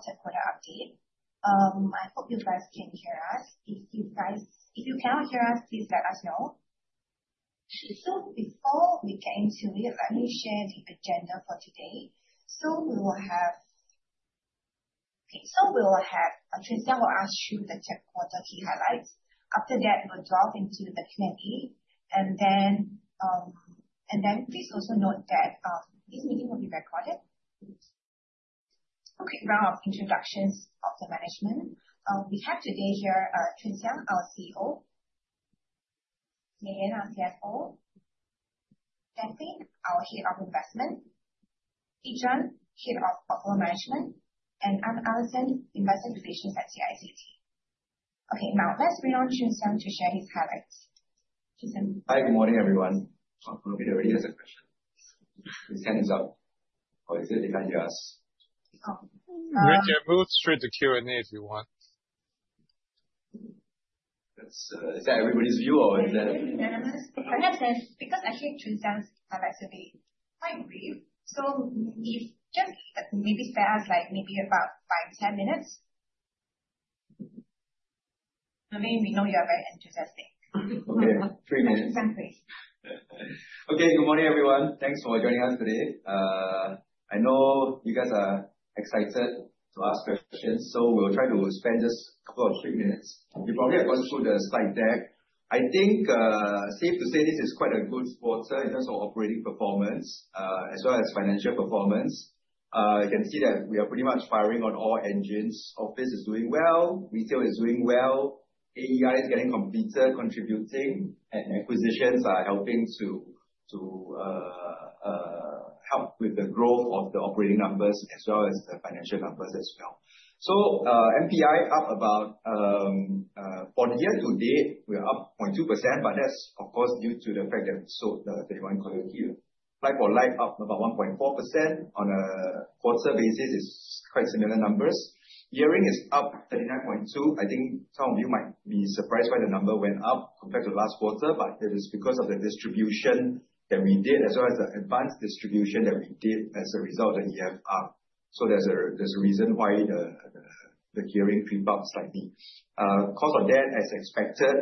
Early for our third quarter update. I hope you guys can hear us. If you cannot hear us, please let us know. Before we get into it, let me share the agenda for today. We will have Choon Siang who will us through the third quarter key highlights. After that, we will dive into the Q&A. Please also note that this meeting will be recorded. A quick round of introductions of the management. We have today here, Choon Siang, our CEO. Mei Lian, our CFO. Jackie, our head of investment. Yi Zhuan, head of portfolio management. I'm Allison, investor relations at CICT. Let's bring on Choon Siang to share his highlights. Choon Siang. Hi, good morning, everyone. Somebody already has a question. His hand is up or is it he can't hear us? Oh. We can move straight to Q&A if you want. Is that everybody's view or is that? Perhaps just because actually, Choon Siang's highlights will be quite brief, if you just maybe spare us maybe about five, 10 minutes. We know you are very enthusiastic. Three minutes. You can't wait. Good morning, everyone. Thanks for joining us today. I know you guys are excited to ask questions, we'll try to spend just a couple or three minutes. Probably I'll go through the slide deck. I think, safe to say this is quite a good quarter in terms of operating performance, as well as financial performance. You can see that we are pretty much firing on all engines. Office is doing well. Retail is doing well. AEI is getting completed, contributing, and acquisitions are helping to help with the growth of the operating numbers as well as the financial numbers as well. NPI, for the year to date, we are up 0.2%, that's of course due to the fact that we sold the 31 Collyer Quay. Like-for-like up about 1.4% on a quarter basis is quite similar numbers. Gearing is up 39.2%. I think some of you might be surprised why the number went up compared to last quarter, but it is because of the distribution that we did as well as the advanced distribution that we did as a result of the EFR. There's a reason why the gearing crept up slightly. Cost of debt as expected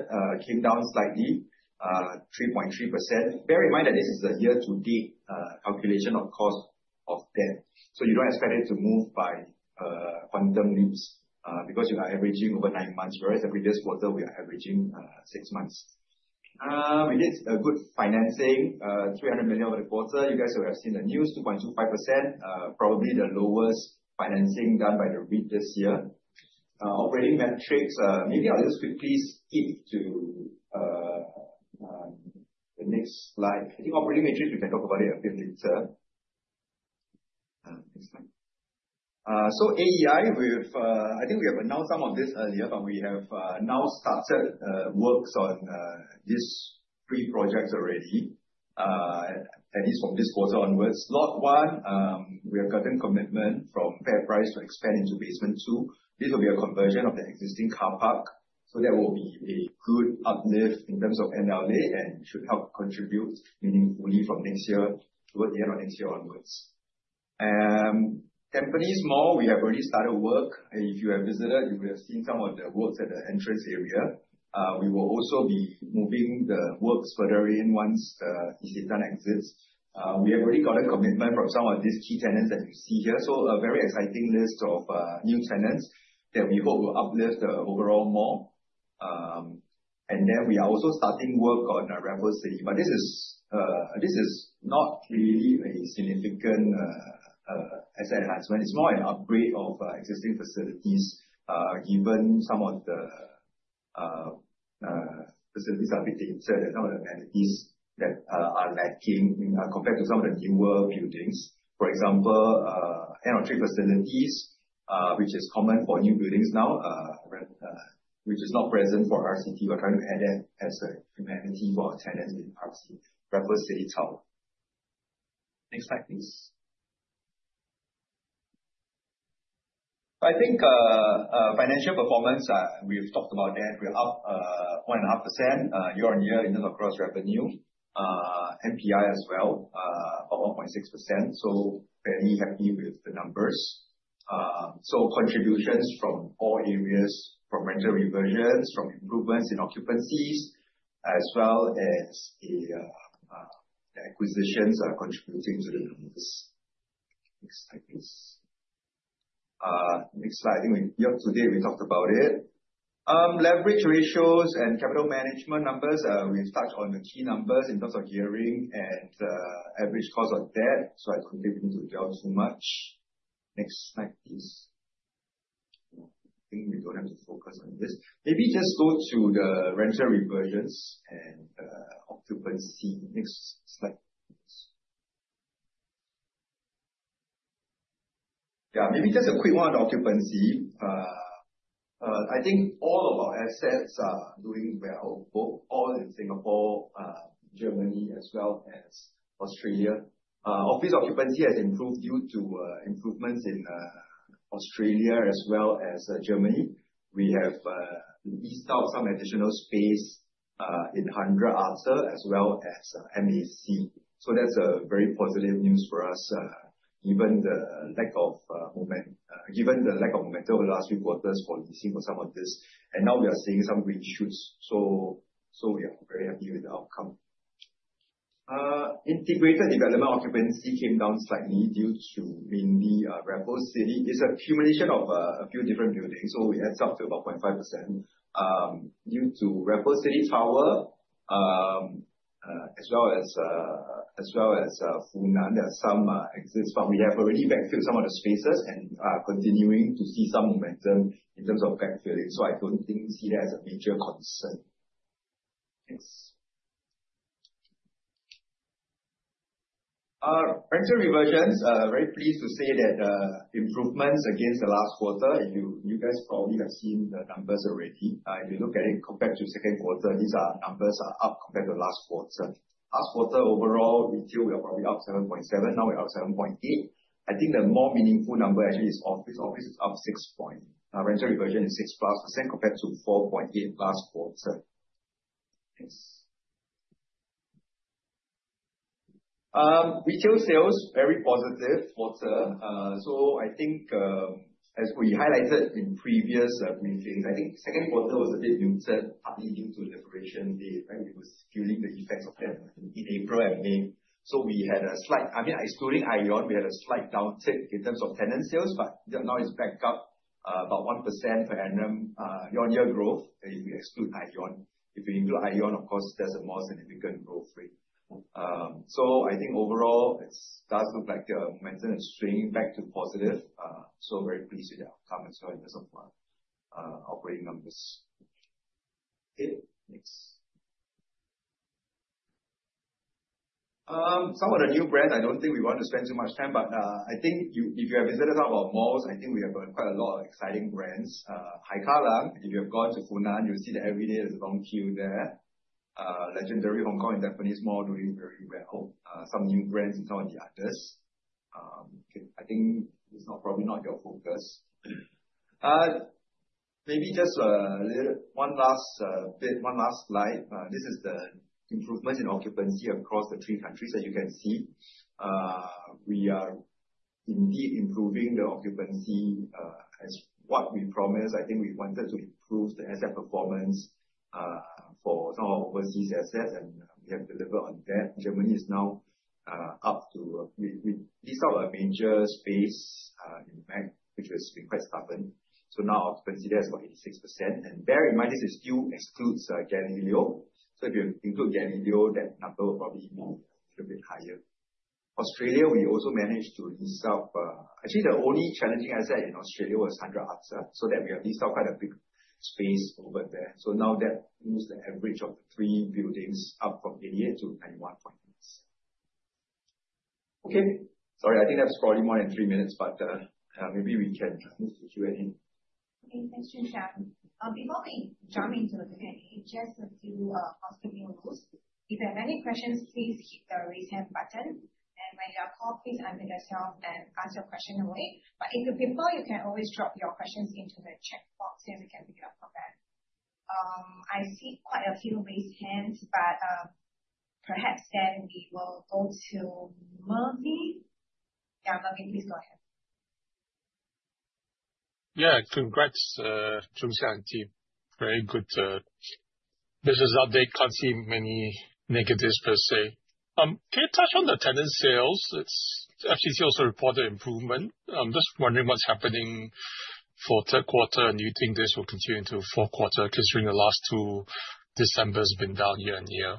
came down slightly, 3.3%. Bear in mind that this is a year-to-date calculation of cost of debt. You don't expect it to move by quantum leaps because you are averaging over nine months, whereas every previous quarter we are averaging six months. We did a good financing, 300 million over the quarter. You guys would have seen the news, 2.25%, probably the lowest financing done by the REIT this year. Operating metrics, maybe I'll just quickly skip to the next slide. I think operating metrics, we can talk about it a bit later. Next slide. AEI, I think we have announced some of this earlier, but we have now started works on these three projects already. At least from this quarter onwards. Lot One, we have gotten commitment from FairPrice to expand into basement two. This will be a conversion of the existing car park, that will be a good uplift in terms of NLA and should help contribute meaningfully from next year, toward the end of next year onwards. Tampines Mall, we have already started work. If you have visited, you would have seen some of the works at the entrance area. We will also be moving the works further in once East End Time exits. We have already gotten commitment from some of these key tenants that you see here. A very exciting list of new tenants that we hope will uplift the overall mall. Then we are also starting work on Raffles City. But this is not really a significant asset enhancement. It's more an upgrade of existing facilities, given some of the facilities are a bit dated, some of the amenities that are lacking compared to some of the newer buildings. For example, F&B facilities, which is common for new buildings now, which is not present for RCT. We're trying to add that as an amenity for our tenants in RCT, Raffles City Tower. Next slide, please. I think financial performance, we've talked about that. We are up 1.5% year-over-year in terms of gross revenue. NPI as well, up 1.6%, fairly happy with the numbers. Contributions from all areas, from rental reversions, from improvements in occupancies, as well as the acquisitions are contributing to the numbers. Next slide, please. Next slide, I think year on today, we talked about it. Leverage ratios and capital management numbers. We've touched on the key numbers in terms of gearing and average cost of debt, I couldn't get into the details so much. Next slide, please. I think we don't have to focus on this. Maybe just go to the rental reversions and occupancy. Next slide, please. Yeah, maybe just a quick one on occupancy. I think all of our assets are doing well, both all in Singapore, Germany, as well as Australia. Office occupancy has improved due to improvements in Australia as well as Germany. We have leased out some additional space in 100 Arthur Street as well as MAC. That's a very positive news for us, given the lack of momentum the last few quarters for leasing for some of this, and now we are seeing some green shoots. We are very happy with the outcome. Integrated development occupancy came down slightly due to mainly Raffles City. It's accumulation of a few different buildings, so it adds up to about 0.5%, due to Raffles City Tower, as well as Funan. There are some exits, but we have already backfilled some of the spaces and are continuing to see some momentum in terms of backfilling. I don't think we see that as a major concern. Next. Rental reversions. Very pleased to say that improvements against the last quarter, you guys probably have seen the numbers already. If you look at it compared to second quarter, these numbers are up compared to last quarter. Last quarter overall, retail, we are probably up 7.7%. Now we're up 7.8%. I think the more meaningful number actually is office. Rental reversion is 6% plus compared to 4.8% last quarter. Next. Retail sales, very positive quarter. I think, as we highlighted in previous briefings, I think second quarter was a bit muted, partly into Liberation Day, right? It was feeling the effects of that in April and May. We had a slight, excluding ION, we had a slight downtick in terms of tenant sales, but now it's back up about 1% per annum year-on-year growth if you exclude ION. If you include ION, of course, there's a more significant growth rate. I think overall it does look like the momentum is swinging back to positive. Very pleased with the outcome as well in terms of our operating numbers. Okay, next. Some of the new brands, I don't think we want to spend too much time, but I think if you have visited some of our malls, I think we have quite a lot of exciting brands. Hai Kah Lang, if you have gone to Funan, you'll see that every day there's a long queue there. Legendary Hong Kong and Jem mall doing very well. Some new brands in some of the others. Okay. I think it's probably not your focus. Maybe just one last bit, one last slide. This is the improvement in occupancy across the three countries, as you can see. We are indeed improving the occupancy, as what we promised. I think we wanted to improve the asset performance for some of our overseas assets, and we have delivered on that. Germany. We leased out a major space in MEG, which was quite stubborn. Now occupancy there is about 86%. Bear in mind, this still excludes Gallileo. If you include Gallileo, that number will probably be a little bit higher. Australia, we also managed to lease out. Actually, the only challenging asset in Australia was 100 Arthur Street. That we have leased out quite a big space over there. Now that moves the average of the three buildings up from 88%-91.87%. Okay. Sorry, I think that's probably more than three minutes, but maybe we can move to Q&A. Okay, thanks, Choon Siang. Before we jump into the Q&A, just a few housekeeping rules. If you have any questions, please hit the raise hand button, and when you are called, please unmute yourself and ask your question away. If you prefer, you can always drop your questions into the chat box, and we can pick it up from there. I see quite a few raised hands, perhaps we will go to Mervin. Mervin, please go ahead. Congrats, Choon Siang and team. Very good business update. Can't see many negatives per se. Can you touch on the tenant sales? It actually feels a reported improvement. I'm just wondering what's happening for third quarter, and you think this will continue into fourth quarter, because during the last two Decembers been down year-on-year.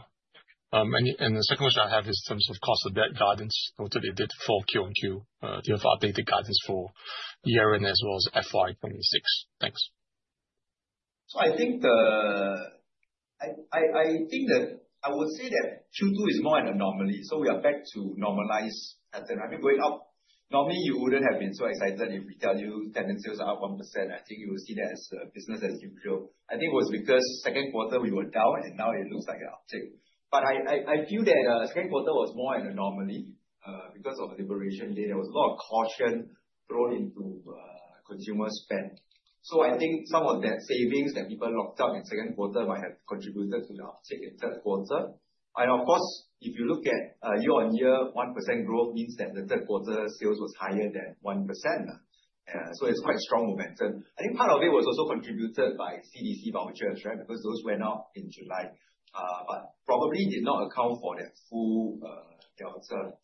The second question I have is in terms of cost of debt guidance. Noted you did for Q on Q. Do you have updated guidance for the year end as well as FY 2026? Thanks. I think that, I would say that Q2 is more an anomaly. We are back to normalized pattern. I mean, going up, normally you wouldn't have been so excited if we tell you tenant sales are up 1%. I think you will see that as business as usual. I think it was because second quarter we were down, and now it looks like an uptick. I feel that second quarter was more an anomaly. Because of Labour Day, there was a lot of caution thrown into consumer spend. I think some of that savings that people locked up in second quarter might have contributed to the uptick in third quarter. Of course, if you look at year-on-year, 1% growth means that the third quarter sales was higher than 1%. It's quite strong momentum. I think part of it was also contributed by CDC vouchers, right? Because those went out in July. Probably did not account for the full delta.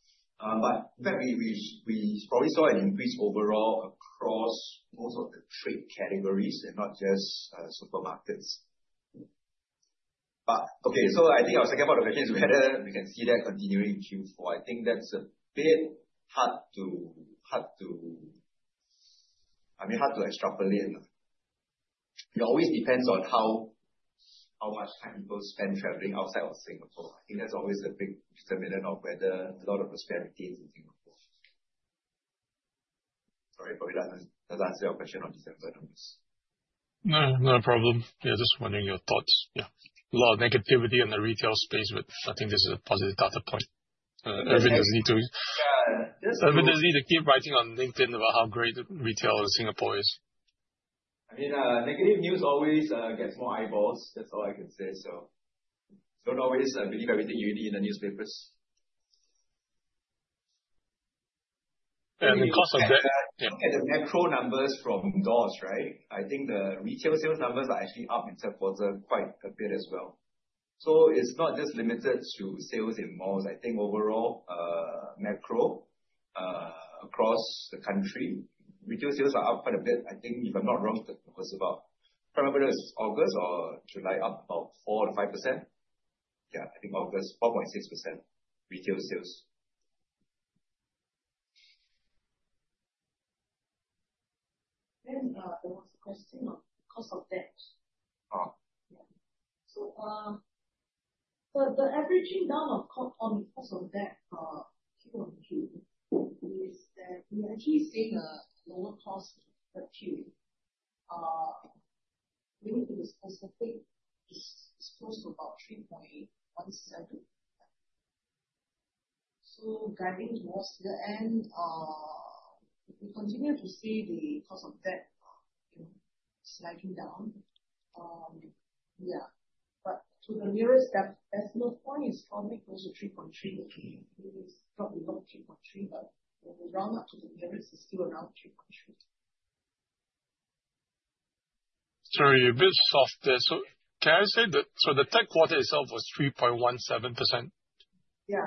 In fact, we probably saw an increase overall across most of the trade categories and not just supermarkets. I think our second quarter momentum, whether we can see that continuing in Q4, I think that's a bit hard to extrapolate. It always depends on how much time people spend traveling outside of Singapore. I think that's always a big determinant of whether a lot of prosperity is in Singapore. Sorry, probably doesn't answer your question on December numbers. No, not a problem. Yeah, just wondering your thoughts. Yeah. A lot of negativity in the retail space, I think this is a positive data point. Yeah. Irvin doesn't need to keep writing on LinkedIn about how great retail in Singapore is Negative news always gets more eyeballs. That's all I can say. Don't always believe everything you read in the newspapers. The cost of debt, yeah. At the macro numbers from DBS, I think the retail sales numbers are actually up this quarter quite a bit as well. It's not just limited to sales in malls. I think overall, macro, across the country, retail sales are up quite a bit. I think, if I'm not wrong, it was about, can't remember if it was August or July, up about 4% or 5%. I think August, 4.6% retail sales. There was a question on cost of debt. Oh. The averaging down on the cost of debt, quarter-on-quarter, is that we actually are seeing a lower cost per Q. Really to be specific, it's close to about 3.17%. Driving towards the end, if we continue to see the cost of debt sliding down. To the nearest tenth, at one point it was probably close to 3.3%. Maybe it's dropped below 3.3%, but when we round up to the nearest, it's still around 3.3%. Sorry, a bit soft there. Can I say that the third quarter itself was 3.17%? Yeah.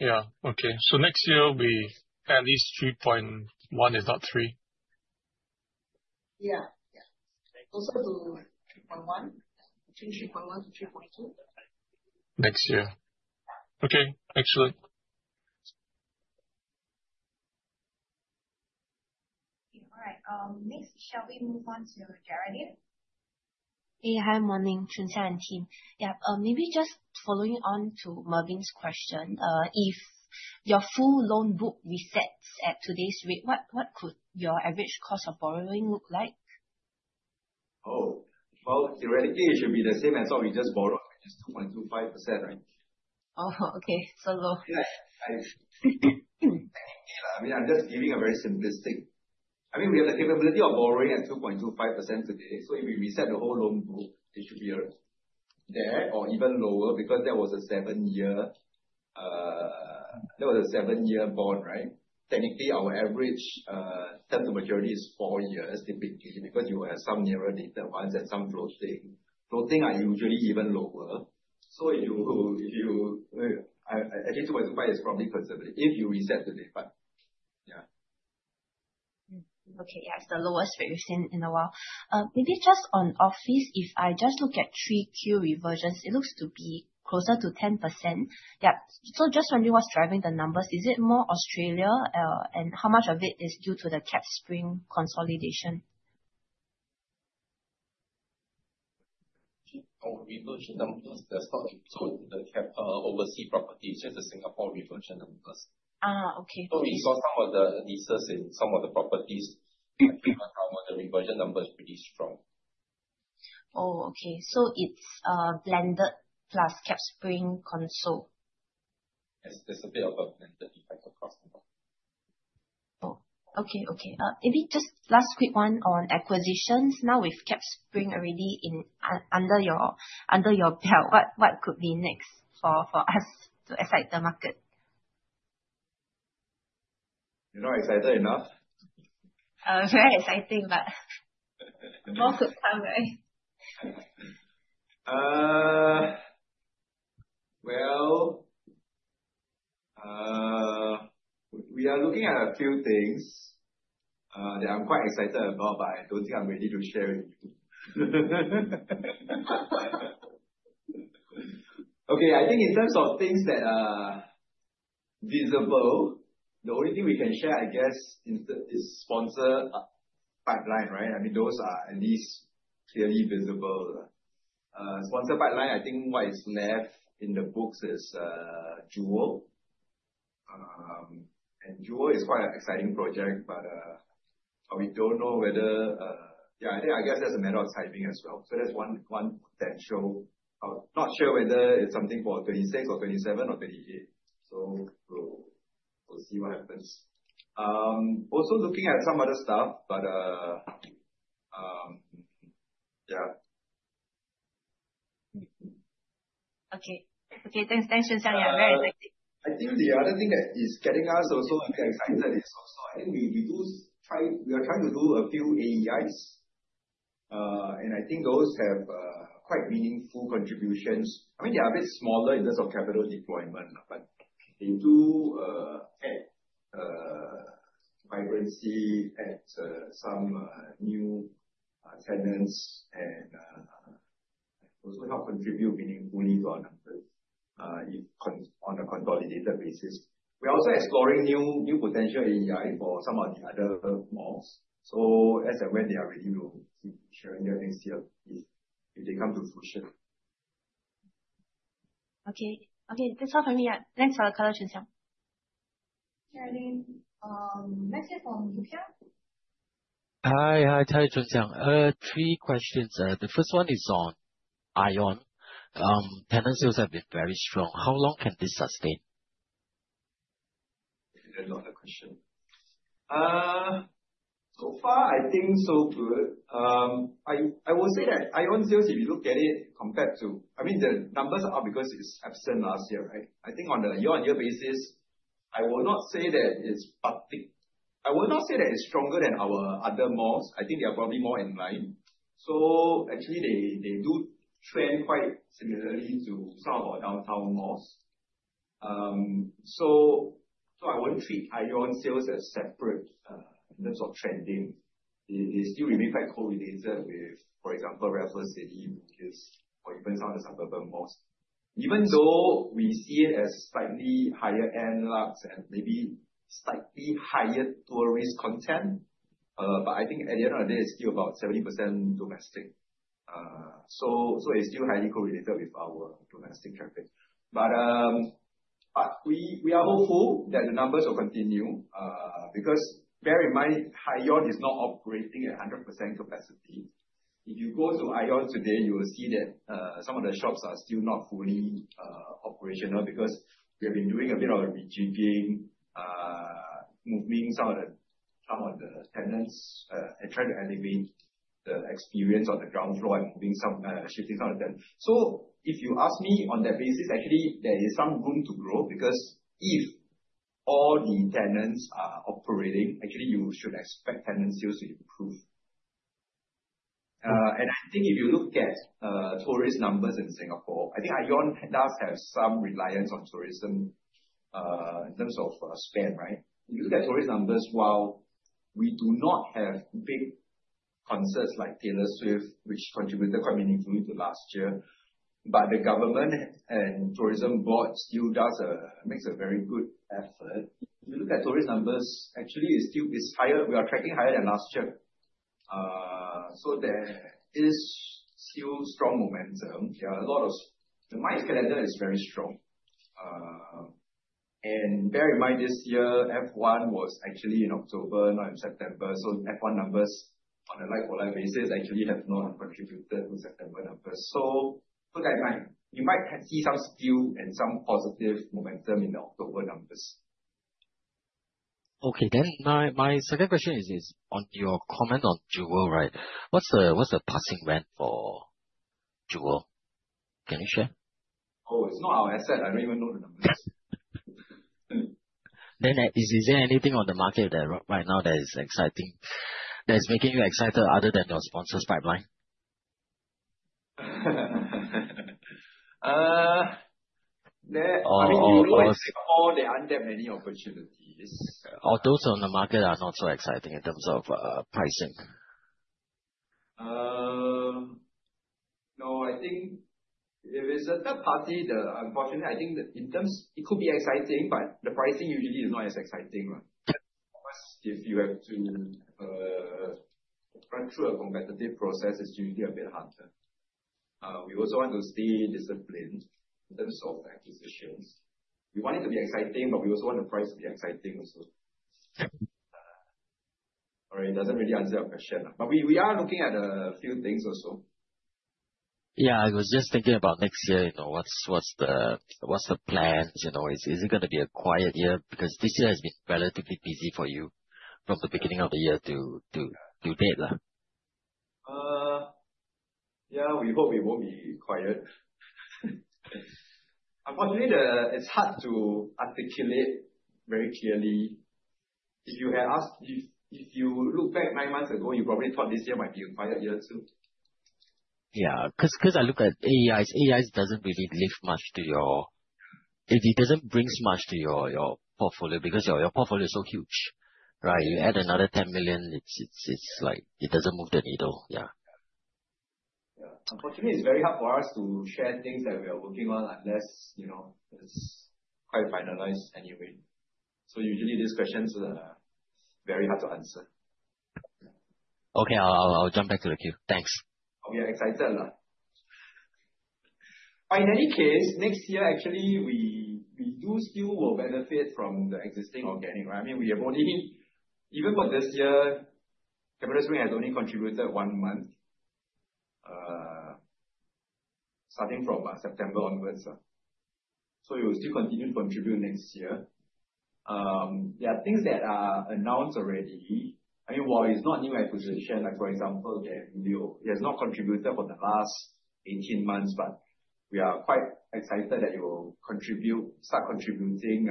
Yeah. Okay. Next year will be at least 3.1, if not 3. Yeah. Close to 3.1. Between 3.1 to 3.2. Next year. Yeah. Okay. Thanks a lot. All right. Next, shall we move on to Geraldine? Hey. Hi, morning, Choon Siang and team. Yeah, maybe just following on to Mervin's question. If your full loan book resets at today's rate, what could your average cost of borrowing look like? Oh. Well, theoretically, it should be the same as what we just borrowed, which is 2.25%, right? Oh, okay. Low. Yeah. Technically, I'm just giving a very simplistic We have the capability of borrowing at 2.25% today. If we reset the whole loan book this year, there or even lower, because that was a seven-year bond, right? Technically, our average term to maturity is four years typically, because you will have some nearer dated ones and some floating. Floating are usually even lower. Actually, 2.5 is probably conservative if you reset today. Yeah. Okay. Yeah, it's the lowest rate we've seen in a while. Maybe just on office, if I just look at three Q reversions, it looks to be closer to 10%. Yeah. Just wondering what's driving the numbers. Is it more Australia? How much of it is due to the CapitaSpring consolidation? Reversion numbers, that's not included in the Cap overseas properties. That's the Singapore reversion numbers. Okay. We got some of the leases in some of the properties the reversion number is pretty strong. Oh, okay. It's blended plus CapitaSpring conso. Yes, there's a bit of a blended effect across the board. Oh, okay. Maybe just last quick one on acquisitions. Now with CapitaSpring already under your belt, what could be next for us to excite the market? You're not excited enough? Very exciting, more could come, right? Well, we are looking at a few things, that I'm quite excited about, I don't think I'm ready to share with you. Okay, I think in terms of things that are visible, the only thing we can share, I guess, is the sponsor pipeline, right? Those are at least clearly visible. Sponsor pipeline, I think what is left in the books is Jewel. Jewel is quite an exciting project. I guess that's a matter of timing as well. That's one potential. Not sure whether it's something for 2026 or 2027 or 2028. We'll see what happens. Also looking at some other stuff. Okay. Thanks. Thanks, Choon Siang. Yeah, very exciting. I think the other thing that is getting us also excited is also, I think we are trying to do a few AEIs, and I think those have quite meaningful contributions. They are a bit smaller in terms of capital deployment, but they do add vibrancy, add some new tenants, and also help contribute meaningfully to our numbers on a consolidated basis. We're also exploring new potential AEI for some of the other malls. As and when they are ready, we will keep sharing their next year if they come to fruition. Okay. That's all from me. Thanks a lot, Tan Choon Siang. Geraldine. Next is from Yu Xiang. Hi. Hi, Choon Siang. Three questions. The first one is on ION. Tenant sales have been very strong. How long can this sustain? Depend on the question. So far, I think so good. I would say that ION sales, if you look at it. The numbers are up because it's absent last year, right? I think on the year-on-year basis, I would not say that it's partake. I would not say that it's stronger than our other malls. I think they are probably more in line. Actually, they do trend quite similarly to some of our downtown malls. I wouldn't treat ION sales as separate in terms of trending. They still remain quite correlated with, for example, Raffles CapitaSpring, or even some of the suburban malls. Even though we see it as slightly higher end lux and maybe slightly higher tourist content, but I think at the end of the day, it's still about 70% domestic. It's still highly correlated with our domestic traffic. We are hopeful that the numbers will continue, because bear in mind, ION is not operating at 100% capacity. If you go to ION today, you will see that some of the shops are still not fully operational because we have been doing a bit of rejigging, moving some of the tenants, and trying to elevate the experience on the ground floor and shifting some of them. If you ask me on that basis, actually there is some room to grow because if all the tenants are operating, actually you should expect tenant sales to improve. I think if you look at tourist numbers in Singapore, I think ION does have some reliance on tourism, in terms of spend, right? If you look at tourist numbers, while we do not have big concerts like Taylor Swift, which contributed quite meaningfully to last year, the government and tourism board still makes a very good effort. If you look at tourist numbers, actually we are tracking higher than last year. There is still strong momentum. The MICE calendar is very strong. Bear in mind, this year, F1 was actually in October, not in September. F1 numbers on a like-to-like basis actually have not contributed to September numbers. Put that in mind. You might see some skew and some positive momentum in the October numbers. My second question is on your comment on Jewel. What's the passing rent for Jewel? Can you share? Oh, it's not our asset. I don't even know the numbers. Is there anything on the market right now that is exciting, that is making you excited other than your sponsors pipeline? You know in Singapore, there aren't that many opportunities. Those on the market are not so exciting in terms of pricing. No, I think if it's a third party, unfortunately, I think it could be exciting, but the pricing usually is not as exciting. Unless if you have to run through a competitive process, it's usually a bit harder. We also want to stay disciplined in terms of acquisitions. We want it to be exciting, but we also want the price to be exciting also. Yep. Sorry, it doesn't really answer your question. We are looking at a few things also. Yeah, I was just thinking about next year, what's the plans? Is it going to be a quiet year? This year has been relatively busy for you from the beginning of the year to date. Yeah, we hope it won't be quiet. Unfortunately, it's hard to articulate very clearly. If you look back nine months ago, you probably thought this year might be a quiet year, too. Because I look at AEIs. AEIs doesn't really lift much to your portfolio because your portfolio is so huge, right? You add another 10 million, it's like it doesn't move the needle. Unfortunately, it's very hard for us to share things that we are working on unless it's quite finalized anyway. Usually these questions are very hard to answer. I'll jump back to the queue. Thanks. We are excited. In any case, next year, actually, we do still will benefit from the existing organic. Even for this year, CapitaSpring has only contributed one month, starting from September onwards. It will still continue to contribute next year. There are things that are announced already. While it's not new acquisition, like for example, JCube, it has not contributed for the last 18 months, but we are quite excited that it will start contributing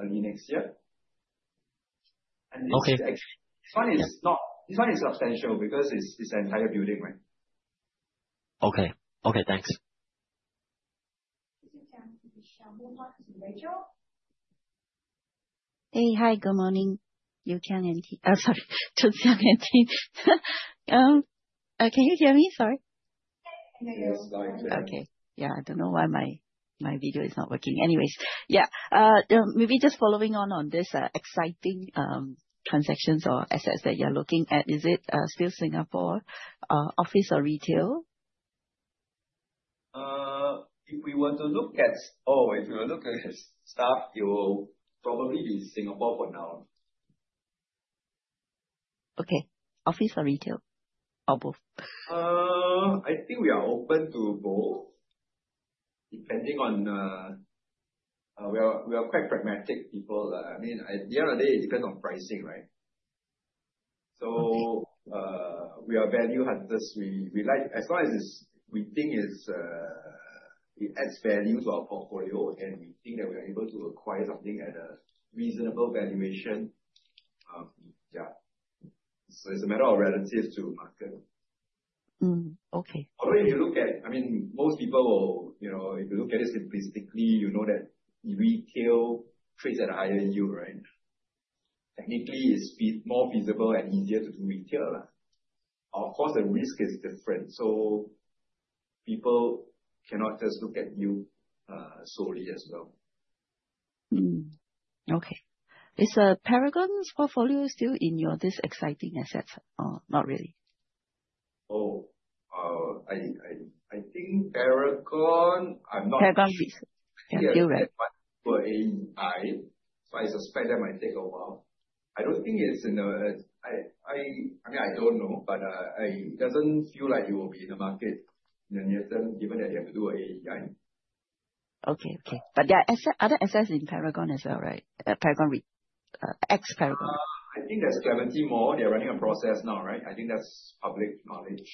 early next year. Okay. This one is substantial because it's an entire building. Okay. Thanks. This is down to Hey. Hi, good morning. Can you hear me? Sorry. There you go. Yes, go ahead. Okay. Yeah, I don't know why my video is not working. Anyways. Yeah. Maybe just following on this exciting transactions or assets that you're looking at. Is it still Singapore, office or retail? If you were to look at our stuff, it will probably be Singapore for now. Okay. Office or retail, or both? I think we are open to both. We are quite pragmatic people. At the end of the day, it depends on pricing, right? Okay. We are value hunters. As long as we think it adds value to our portfolio and we think that we are able to acquire something at a reasonable valuation. It's a matter of relative to market. Okay. If you look at it simplistically, you know that retail trades at a higher yield, right? Technically, it's more feasible and easier to do retail. Of course, the risk is different, people cannot just look at yield solely as well. Okay. Is Paragon's portfolio still in your this exciting assets, or not really? I think Paragon, I'm not- Paragon Retail. Yeah. Still, right. They have to do AEI. I suspect that might take a while. I don't know, it doesn't feel like it will be in the market in the near term given that they have to do AEI. Okay. There are other assets in Paragon as well, right? Ex-Paragon. I think there's Clementi Mall. They're running a process now, right? I think that's public knowledge.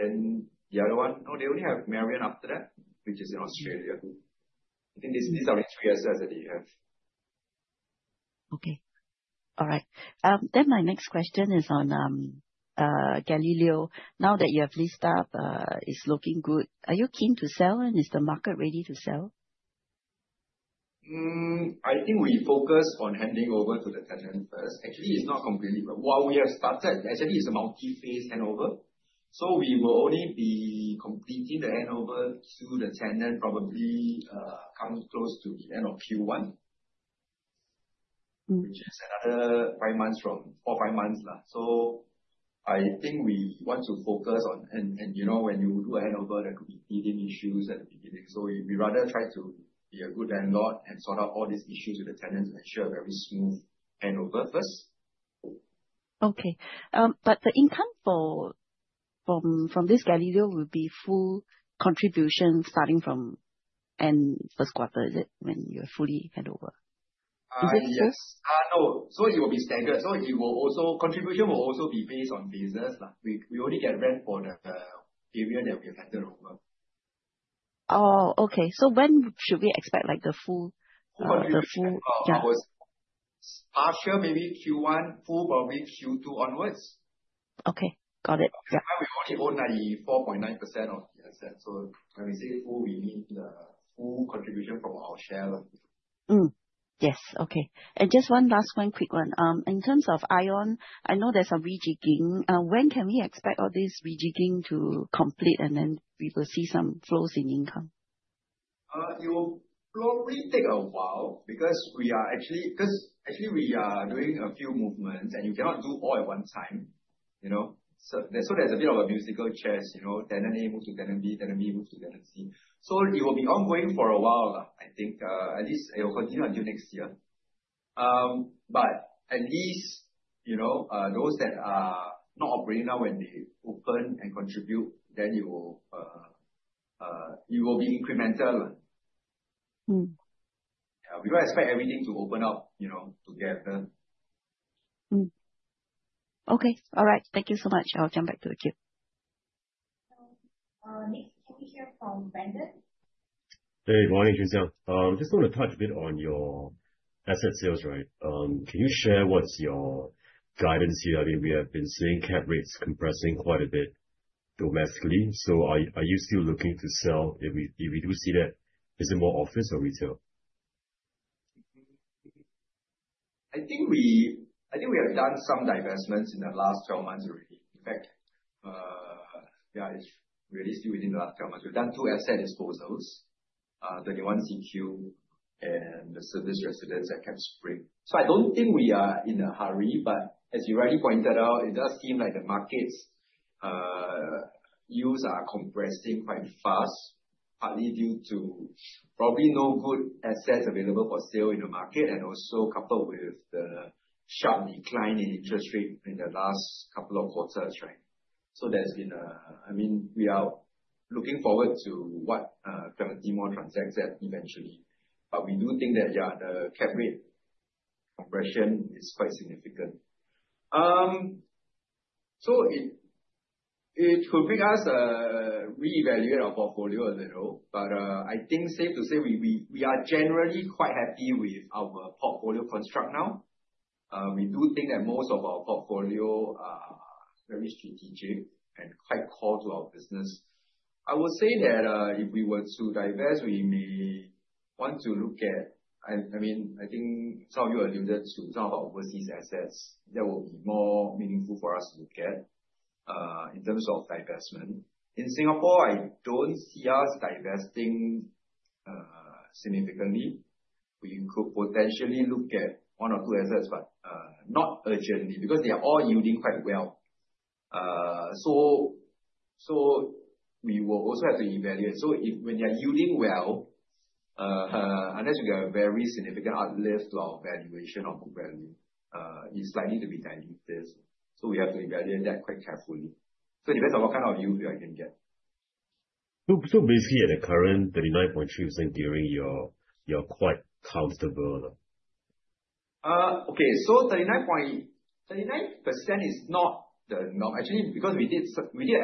Okay. The other one, no, they only have Marion after that, which is in Australia. I think these are the two assets that they have. Okay. All right. My next question is on Gallileo. Now that you have leased up, it's looking good. Are you keen to sell, and is the market ready to sell? I think we focus on handing over to the tenant first. Actually, it's not complete, but while we have started, actually, it's a multi-phase handover. We will only be completing the handover to the tenant probably coming close to the end of Q1. Which is another four, five months left. I think we want to focus on When you do a handover, there could be hidden issues at the beginning. We'd rather try to be a good landlord and sort out all these issues with the tenants to make sure a very smooth handover first. Okay. The income from this Galileo will be full contribution starting from end first quarter, is it, when you are fully handover? Is that the case? No. It will be staggered. Contribution will also be based on business. We only get rent for the area that we have handed over. Oh, okay. When should we expect the full- Full contribution? Yeah. After maybe Q1, full probably Q2 onwards. Okay. Got it. Yeah. Keep in mind we only own 94.9% of the asset. When we say full, we mean the full contribution from our share. Yes, okay. Just one last one, quick one. In terms of ION, I know there's a rejigging. When can we expect all this rejigging to complete, and then we will see some flows in income? It will probably take a while because actually we are doing a few movements, and you cannot do all at one time. There's a bit of a musical chairs, tenant A move to tenant B, tenant B move to tenant C. It will be ongoing for a while, I think. At least it will continue until next year. At least, those that are not operating now, when they open and contribute, then it will be incremental. We don't expect everything to open up together. Okay. All right. Thank you so much. I'll jump back to the queue. Next, can we hear from Brandon? Hey, good morning, Choon Siang. Just want to touch a bit on your asset sales. Can you share what's your guidance here? We have been seeing cap rates compressing quite a bit domestically. Are you still looking to sell? If we do see that, is it more office or retail? I think we have done some divestments in the last 12 months already. In fact, yeah, it's really still within the last 12 months. We've done two asset disposals, 31 CQ and the service residence at Keppel Spring. I don't think we are in a hurry, but as you rightly pointed out, it does seem like the markets' yields are compressing quite fast, partly due to probably no good assets available for sale in the market, and also coupled with the sharp decline in interest rates in the last couple of quarters. We are looking forward to what Clementi Mall transact at eventually. We do think that, yeah, the cap rate compression is quite significant. It could make us reevaluate our portfolio a little, but I think safe to say, we are generally quite happy with our portfolio construct now. We do think that most of our portfolio are very strategic and quite core to our business. I would say that if we were to divest, we may want to look at, I think some of you alluded to some of our overseas assets that will be more meaningful for us to look at in terms of divestment. In Singapore, I don't see us divesting significantly. We could potentially look at one or two assets, but not urgently, because they are all yielding quite well. We will also have to evaluate. When you are yielding well, unless you get a very significant uplift of valuation or book value, it's likely to be dilutive. We have to evaluate that quite carefully. It depends on what kind of yield we can get. Basically at the current 39.3% gearing, you're quite comfortable. Okay. 39% is not the norm, actually, because we did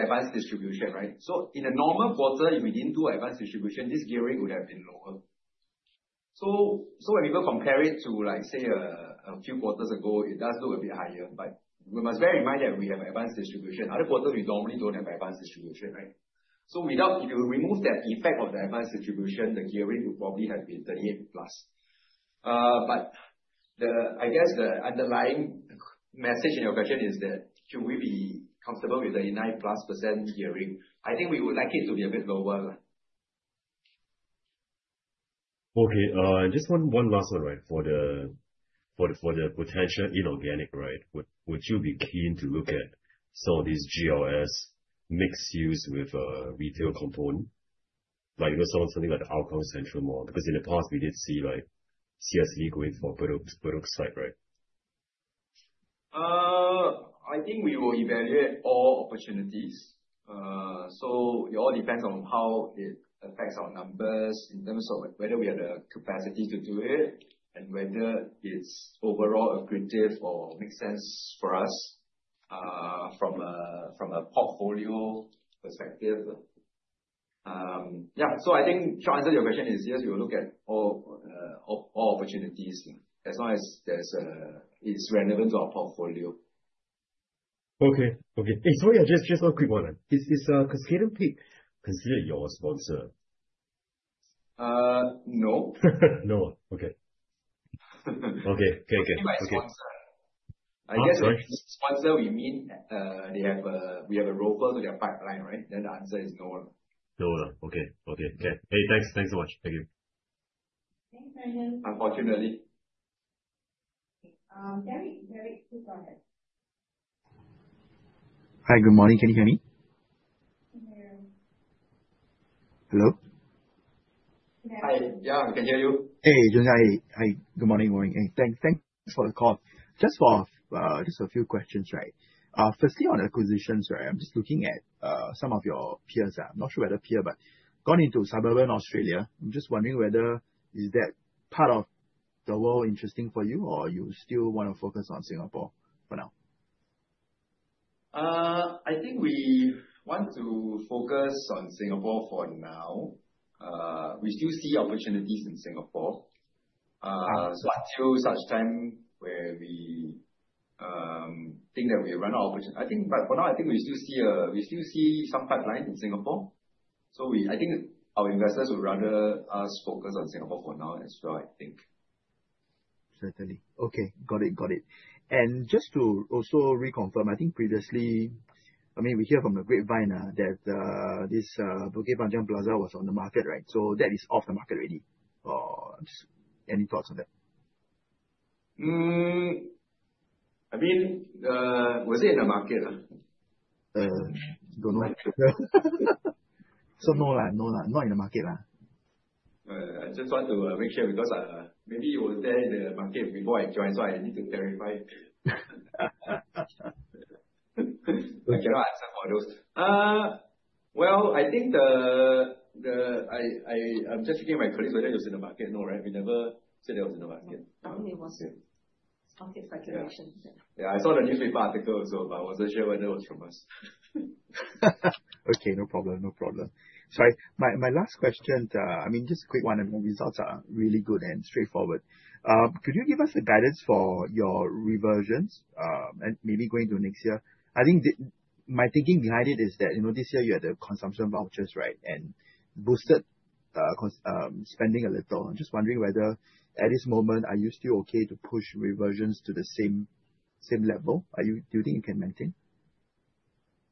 advance distribution, right? In a normal quarter, if we didn't do advance distribution, this gearing would have been lower. When people compare it to, say, a few quarters ago, it does look a bit higher, but we must bear in mind that we have advance distribution. Other quarters, we normally don't have advance distribution, right? If you remove that effect of the advance distribution, the gearing would probably have been 38 plus. I guess the underlying message in your question is that should we be comfortable with 39% plus gearing? I think we would like it to be a bit lower. Okay. Just one last one. For the potential inorganic growth, would you be keen to look at some of these GLS mixed-use with a retail component, like something like the outcome central mall? In the past, we did see CSE going for both sites, right? I think we will evaluate all opportunities. It all depends on how it affects our numbers in terms of whether we have the capacity to do it and whether it's overall accretive or makes sense for us from a portfolio perspective. Yeah. I think short answer to your question is, yes, we will look at all opportunities as long as it's relevant to our portfolio. Okay. Hey, sorry, just one quick one. Is Cuscaden Peak considered your sponsor? No. No. Okay. Okay. What do you mean by sponsor? Oh, sorry. I guess sponsor, we mean we have a ROFO to their pipeline, right? The answer is no. No. Okay. Hey, thanks so much. Thank you. Thanks, Brandon. Unfortunately. Derrick, go ahead. Hi, good morning. Can you hear me? We can hear you. Hello? We can hear you. Hi. Yeah, we can hear you. Hey, good morning. Thanks for the call. Just a few questions. Firstly, on acquisitions, I'm just looking at some of your peers. I'm not sure about the peer, but gone into suburban Australia. I'm just wondering whether, is that part of the world interesting for you, or you still want to focus on Singapore for now? I think we want to focus on Singapore for now. We still see opportunities in Singapore until such time where we think that we run out of opportunities. For now, I think we still see some pipeline in Singapore. I think our investors would rather us focus on Singapore for now as well, I think. Certainly. Okay. Got it. Just to also reconfirm, I think previously, we heard from the grapevine that this Bukit Panjang Plaza was on the market, right? That is off the market already. Just any thoughts on that? Was it in the market? Don't know. No, not in the market. I just want to make sure because maybe it was there in the market before I joined. I need to verify. I cannot answer for those. Well, I'm just checking my colleagues whether it was in the market. No, right, we never said that was in the market. I think it was market speculation. Yeah, I saw the newspaper article also, I wasn't sure whether it was from us. Okay, no problem. Sorry, my last question, just a quick one. The results are really good and straightforward. Could you give us a guidance for your reversions, and maybe going to next year? I think my thinking behind it is that, this year you had the consumption vouchers and boosted spending a little. I'm just wondering whether, at this moment, are you still okay to push reversions to the same level? Do you think you can maintain?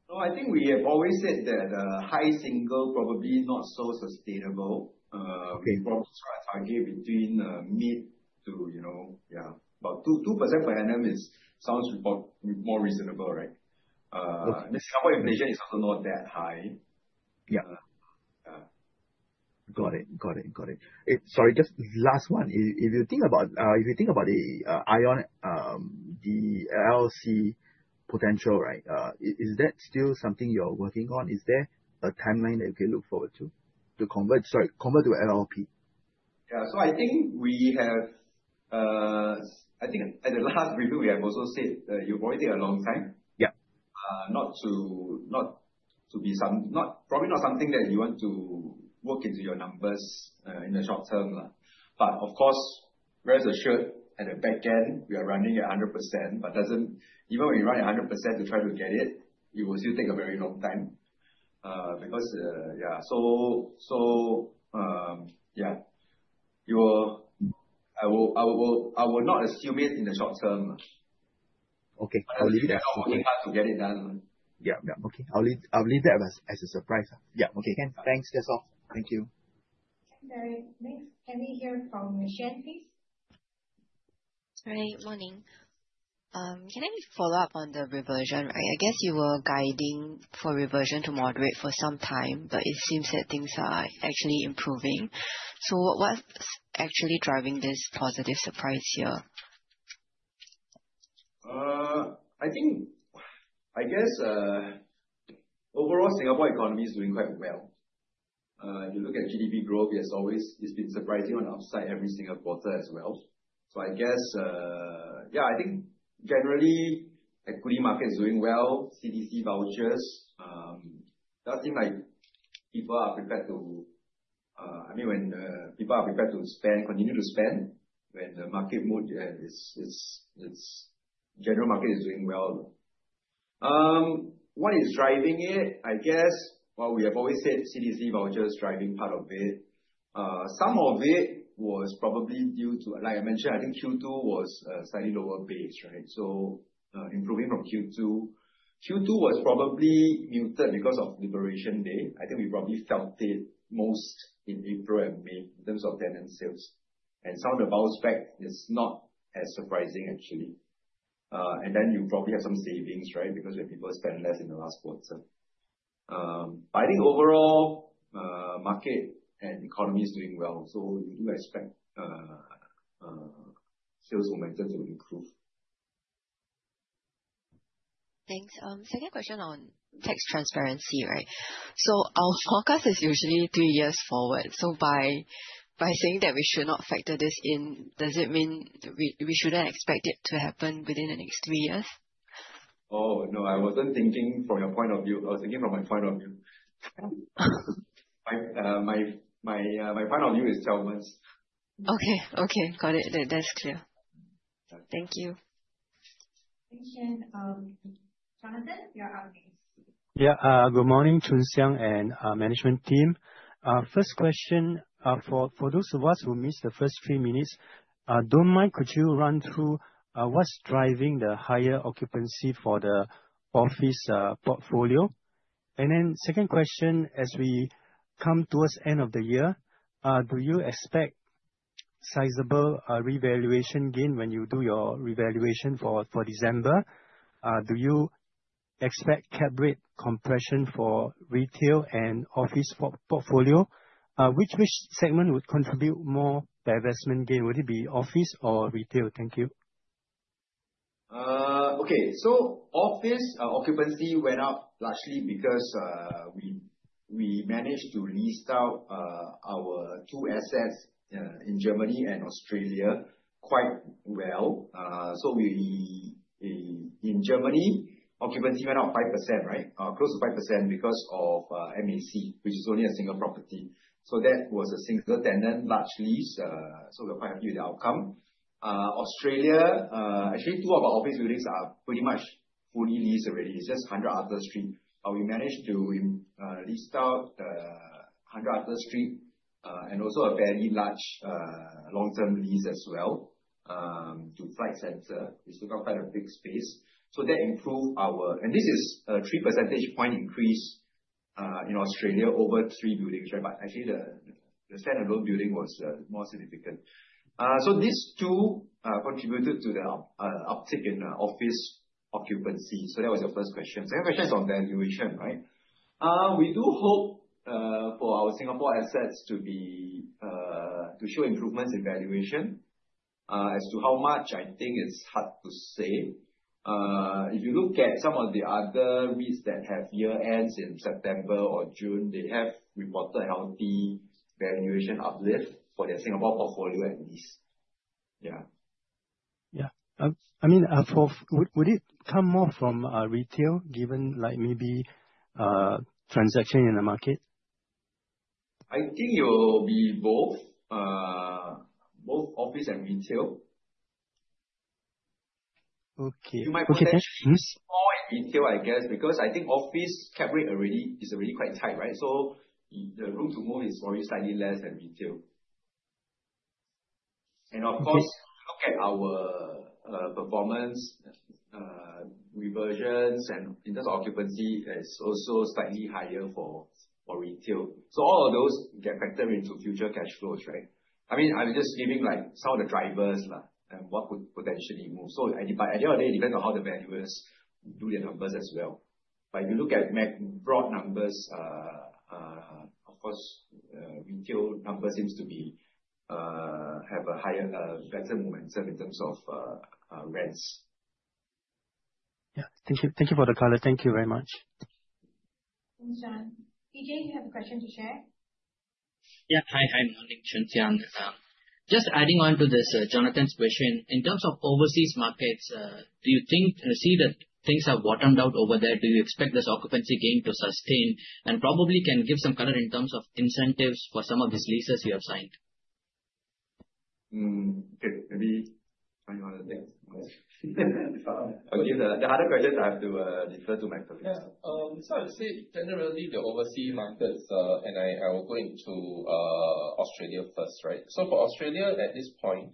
No, I think we have always said that high single probably not so sustainable. Okay. We probably try to target between mid to about 2% per annum sounds more reasonable, right? Okay. The Singapore inflation is also not that high. Yeah. Got it. Sorry, just last one. If you think about ION, the LLP potential, is that still something you're working on? Is there a timeline that we can look forward to convert to LLP? Yeah. I think at the last review, we have also said that it will probably take a long time. Yeah. Probably not something that you want to work into your numbers in the short term. Of course, rest assured, at the back end, we are running at 100%, but even when you run at 100% to try to get it will still take a very long time. I will not assume it in the short term. Okay. I'll leave it at that. We are working hard to get it done. Yeah. Okay. I'll leave that as a surprise. Yeah. Okay, thanks. That's all. Thank you. Okay, Derrick. Next, can we hear from Shen please? Right. Morning. Can I follow up on the reversion? I guess you were guiding for reversion to moderate for some time, but it seems that things are actually improving. What's actually driving this positive surprise here? I guess, overall, Singapore economy is doing quite well. If you look at GDP growth, as always, it's been surprising on our side every single quarter as well. I think, generally, equity market is doing well, CDC vouchers. When people are prepared to continue to spend, when the general market is doing well. What is driving it? I guess, while we have always said CDC voucher is driving part of it, some of it was probably due to, like I mentioned, I think Q2 was a slightly lower base. Improving from Q2. Q2 was probably muted because of Labour Day. I think we probably felt it most in April and May in terms of tenant sales. Some of the bounce back is not as surprising, actually. You probably have some savings, because when people spend less in the last quarter. I think overall, market and economy is doing well. We do expect sales momentum to improve. Thanks. Second question on tax transparency. Our forecast is usually three years forward. By saying that we should not factor this in, does it mean we shouldn't expect it to happen within the next three years? No, I wasn't thinking from your point of view. I was thinking from my point of view. My point of view is 12 months. Okay. Got it. That's clear. Thank you. Thank you. Jonathan, you're up next. Good morning, Choon Siang and management team. First question, for those of us who missed the first few minutes, don't mind, could you run through what's driving the higher occupancy for the office portfolio? Then second question, as we come towards end of the year, do you expect sizable revaluation gain when you do your revaluation for December? Do you expect cap rate compression for retail and office portfolio? Which segment would contribute more divestment gain? Would it be office or retail? Thank you. Okay. Office occupancy went up largely because we managed to lease out our two assets in Germany and Australia quite well. In Germany, occupancy went up close to 5% because of MAC, which is only a single property. That was a single tenant, large lease, we're quite happy with the outcome. Australia, actually two of our office buildings are pretty much fully leased already. It's just 100 Arthur Street. We managed to lease out the 100 Arthur Street, and also a fairly large long-term lease as well to Flight Centre. They took out quite a big space. This is a three percentage point increase in Australia over three buildings. Actually the standalone building was more significant. These two contributed to the uptick in office occupancy. That was your first question. Second question is on valuation. We do hope for our Singapore assets to show improvements in valuation. As to how much, I think it's hard to say. If you look at some of the other REITs that have year-ends in September or June, they have reported healthy valuation uplift for their Singapore portfolio at least. Would it come more from retail given maybe transaction in the market? I think it'll be both office and retail. Okay. You might find that more in retail, I guess, because I think office cap rate is already quite tight. The room to move is already slightly less than retail. Of course, look at our performance, reversions, and in terms of occupancy, is also slightly higher for retail. All of those get factored into future cash flows. I was just giving some of the drivers and what could potentially move. At the end of the day, it depends on how the valuers do their numbers as well. If you look at broad numbers, of course, retail numbers seems to have a better momentum in terms of rents. Yeah. Thank you for the color. Thank you very much. Thanks, John. PJ, you have a question to share? Yeah. Hi, morning, Choon Siang. Just adding on to this, Jonathan's question, in terms of overseas markets, do you see that things have bottomed out over there? Do you expect this occupancy gain to sustain and probably can give some color in terms of incentives for some of these leases you have signed? Okay. Maybe The harder questions I have to defer to Michael please. Yeah. I would say, generally, the overseas markets, and I will go into Australia first. For Australia at this point,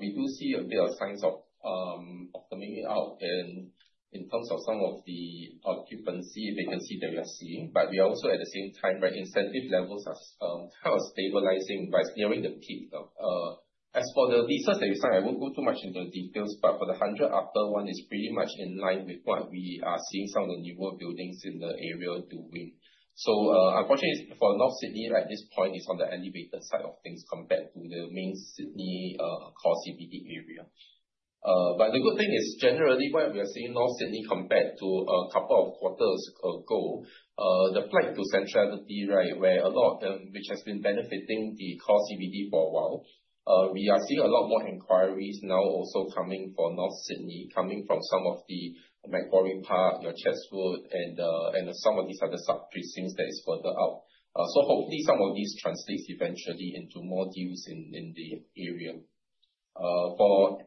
we do see a bit of signs of coming out and in terms of some of the occupancy vacancy that we are seeing, but we are also at the same time, incentive levels are kind of stabilizing by nearing the peak. As for the leases that we sign, I won't go too much into the details, but for the 100 Arthur Street, it's pretty much in line with what we are seeing some of the newer buildings in the area doing. Unfortunately, for North Sydney, at this point, it's on the elevated side of things compared to the main Sydney core CBD area. The good thing is, generally, what we are seeing North Sydney compared to a couple of quarters ago, the flight to centrality, where a lot of them, which has been benefiting the core CBD for a while. We are seeing a lot more inquiries now also coming for North Sydney, coming from some of the Macquarie Park, your Chatswood, and some of these other sub-precincts that is further out. Hopefully some of this translates eventually into more deals in the area. For Main Airport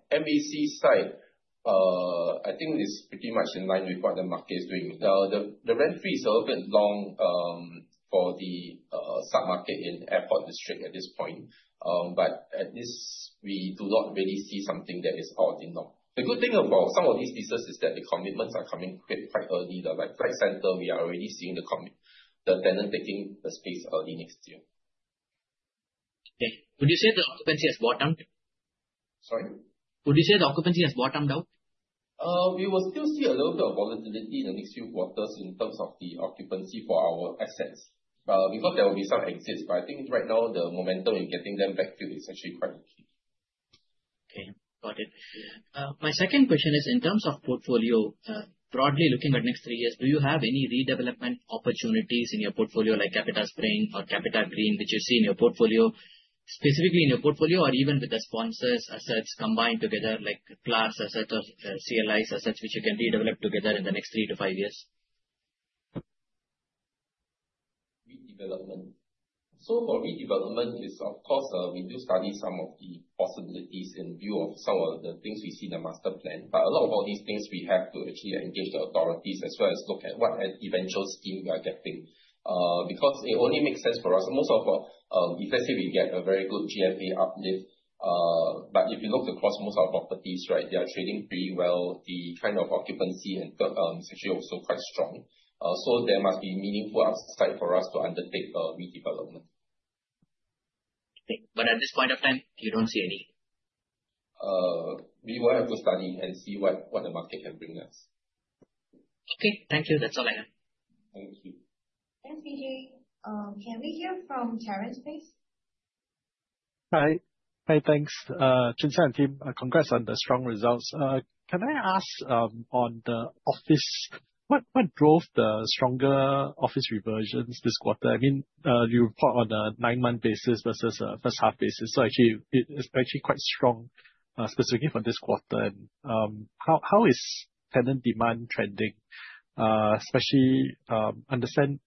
Center, I think it's pretty much in line with what the market is doing. The rent free is a little bit long for the sub-market in Airport District at this point. The good thing about some of these leases is that the commitments are coming quite early, like Flight Centre, we are already seeing the tenant taking the space early next year. Okay. Would you say the occupancy has bottomed? Sorry? Would you say the occupancy has bottomed out? We will still see a little bit of volatility in the next few quarters in terms of the occupancy for our assets. There will be some exits, but I think right now the momentum in getting them backfill is actually quite okay. Okay, got it. My second question is in terms of portfolio, broadly looking at next three years, do you have any redevelopment opportunities in your portfolio like CapitaSpring or CapitaGreen, which you see in your portfolio, specifically in your portfolio or even with the sponsors assets combined together like CLAS assets or CLI assets which you can redevelop together in the next three to five years? Redevelopment. For redevelopment is of course, we do study some of the possibilities in view of some of the things we see in the master plan. A lot of all these things, we have to actually engage the authorities as well as look at what eventual scheme we are getting. It only makes sense for us most of our Let's say we get a very good GFA uplift, but if you look across most of our properties, they are trading pretty well. The kind of occupancy is actually also quite strong. There must be meaningful upside for us to undertake a redevelopment. Okay. At this point of time, you don't see any? We will have to study and see what the market can bring us. Okay. Thank you. That's all I have. Thank you. Thanks, Vijay. Can we hear from Terence, please? Hi. Thanks. Choon Siang and team, congrats on the strong results. Can I ask on the office, what drove the stronger office reversions this quarter? You report on a nine-month basis versus first half basis. It is actually quite strong, specifically for this quarter. How is tenant demand trending, especially understand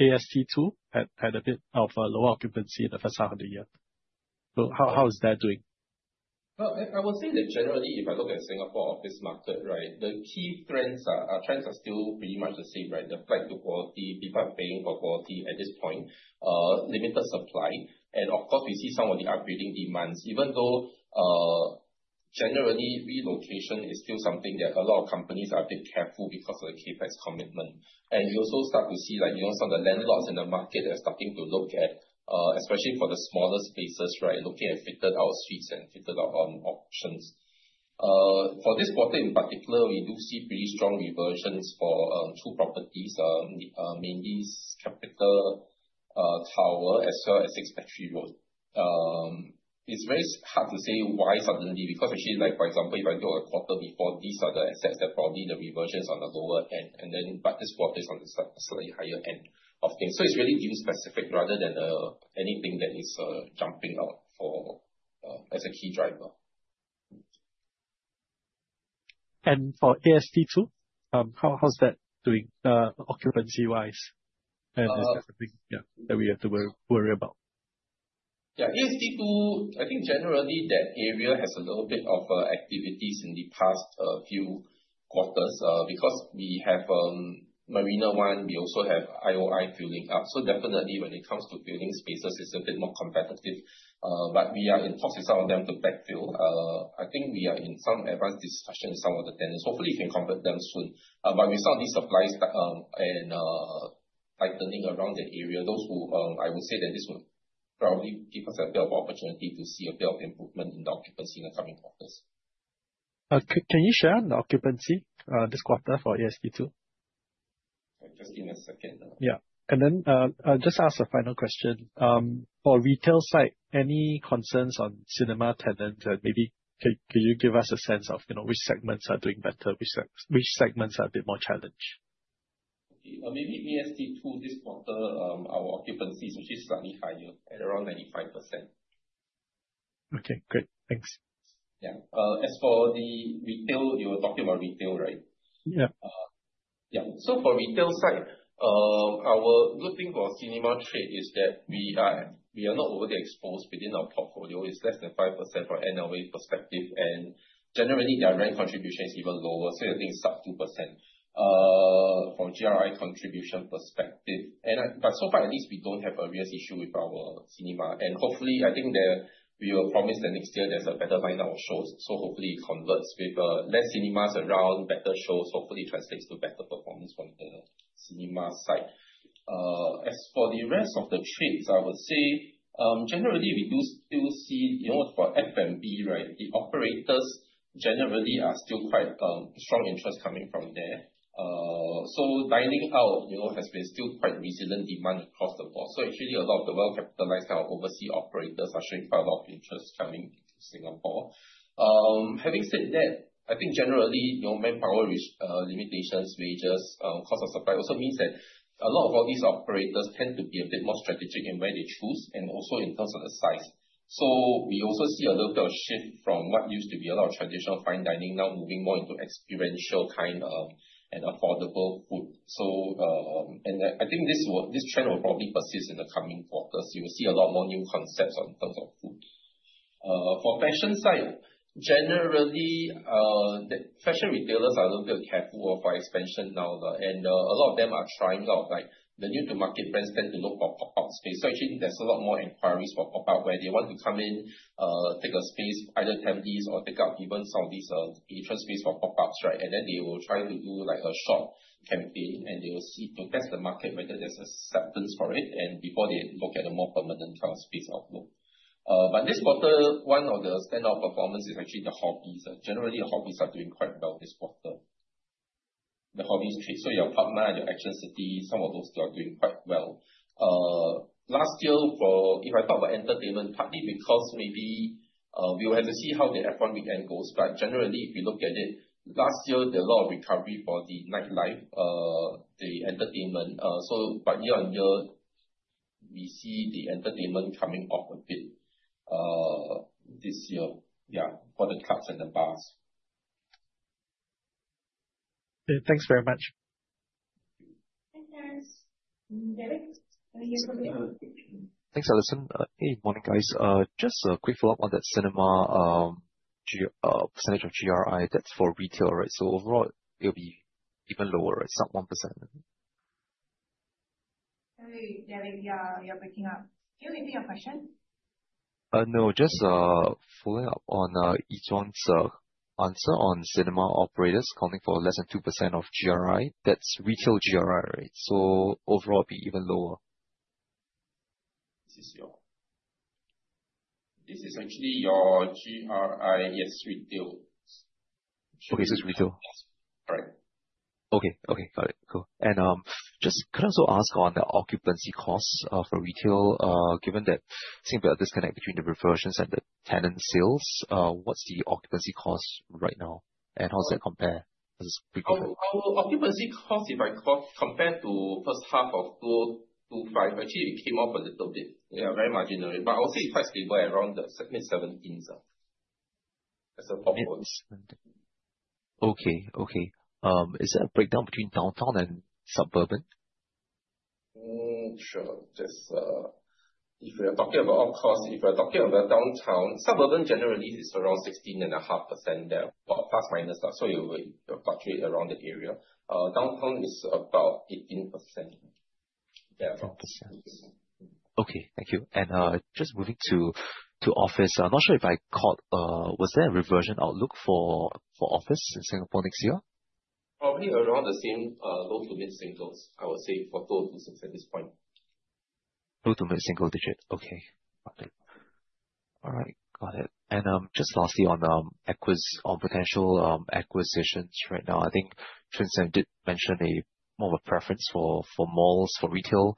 AST 2 had a bit of a low occupancy in the first half of the year. How is that doing? I would say that generally, if I look at Singapore office market, the key trends are still pretty much the same. The flight to quality, people are paying for quality at this point, limited supply. Of course, we see some of the upgrading demands. Even though, generally, relocation is still something that a lot of companies are a bit careful because of the CapEx commitment. You also start to see some of the landlords in the market are starting to look at, especially for the smaller spaces, looking at fitted-out suites and fitted-out options. For this quarter in particular, we do see pretty strong reversions for two properties, mainly Capital Tower as well as 6 Battery Road. It's very hard to say why suddenly, because actually, for example, if I look at the quarter before, these are the assets that probably the reversion is on the lower end, and then, but this quarter is on the slightly higher end of things. It's really deal specific rather than anything that is jumping out as a key driver. For AST 2, how's that doing occupancy-wise? Anything that we have to worry about? AST 2, I think generally that area has a little bit of activities in the past few quarters, because we have Marina One, we also have IOI filling up. Definitely when it comes to filling spaces, it's a bit more competitive. We are in talks with some of them to backfill. I think we are in some advanced discussions with some of the tenants. Hopefully can convert them soon. With some of these supplies tightening around the area, I would say that this would probably give us a bit of opportunity to see a bit of improvement in the occupancy in the coming quarters. Can you share the occupancy this quarter for AST 2? Just give me a second. Yeah. Then, just ask a final question. For retail side, any concerns on cinema tenants that maybe, can you give us a sense of which segments are doing better, which segments are a bit more challenged? Okay. Maybe AST two this quarter, our occupancy is actually slightly higher at around 95%. Okay, great. Thanks. Yeah. As for the retail, you were talking about retail, right? Yeah. Yeah. For retail side, our good thing for cinema trade is that we are not overly exposed within our portfolio. It is less than 5% from an NOA perspective, and generally their rent contribution is even lower, say I think it is sub 2%. From GRI contribution perspective. So far, at least we do not have a real issue with our cinema. Hopefully, I think we will promise that next year there is a better lineup of shows. Hopefully it converts with less cinemas around, better shows, hopefully translates to better performance from the cinema side. As for the rest of the trades, I would say, generally we do still see for F&B, the operators generally are still quite strong interest coming from there. Dining out has been still quite resilient demand across the board. Actually a lot of the well-capitalized overseas operators are showing quite a lot of interest coming into Singapore. Having said that, I think generally, manpower limitations, wages, cost of supply also means that a lot of all these operators tend to be a bit more strategic in where they choose and also in terms of the size. We also see a little bit of shift from what used to be a lot of traditional fine dining now moving more into experiential kind of an affordable food. I think this trend will probably persist in the coming quarters. You will see a lot more new concepts in terms of food. For fashion side, generally, the fashion retailers are a little bit careful for expansion now, and a lot of them are trying out. The new-to-market brands tend to look for pop-up space. Actually there is a lot more inquiries for pop-up where they want to come in, take a space, either temp these or take out even some of these interest space for pop-ups. Then they will try to do a short campaign, and they will see to test the market whether there is acceptance for it and before they look at a more permanent kind of space outlook. This quarter, one of the standout performance is actually the hobbies. Generally, the hobbies are doing quite well this quarter. The hobbies trade. Your partner and your ActionCity, some of those are doing quite well. Last year, if I talk about entertainment, partly because maybe we will have to see how the F1 weekend goes, but generally, if you look at it, last year, there was a lot of recovery for the nightlife, the entertainment. Year-on-year, we see the entertainment coming off a bit this year for the clubs and the bars. Thanks very much. Thanks, guys. Derek. Thanks, Allison. Hey, morning, guys. Just a quick follow-up on that cinema percentage of GRI that's for retail, right? Overall, it'll be even lower. It's not 1%. Sorry, Derek. Yeah, you're breaking up. Can you repeat your question? No, just following up on Yi Zhuan's answer on cinema operators accounting for less than 2% of GRI. That's retail GRI, right? Overall it'd be even lower. This is actually your GRI. Yes, retail. Okay. It's retail. Right. Okay. Got it. Cool. Just could also ask on the occupancy costs for retail, given that seem a bit of disconnect between the reversions and the tenant sales. What's the occupancy cost right now and how does that compare as a quick compare? Our occupancy cost, if I compare to first half of 2025, actually it came up a little bit. Yeah, very marginally. I would say it is quite stable at around the mid-70s% as a performance. Okay. Is there a breakdown between downtown and suburban? Sure. If we are talking about cost, if we are talking about downtown, suburban generally is around 16.5% there. Well, plus minus. It will fluctuate around that area. Downtown is about 18%. Yeah. 18%. Okay, thank you. Just moving to office. I am not sure if I caught, was there a reversion outlook for office in Singapore next year? Probably around the same low to mid singles, I would say for 2026 at this point. Low to mid single digits. Okay. Got it. All right, got it. Just lastly on potential acquisitions right now. I think Tan Choon Siang did mention a more of a preference for malls, for retail.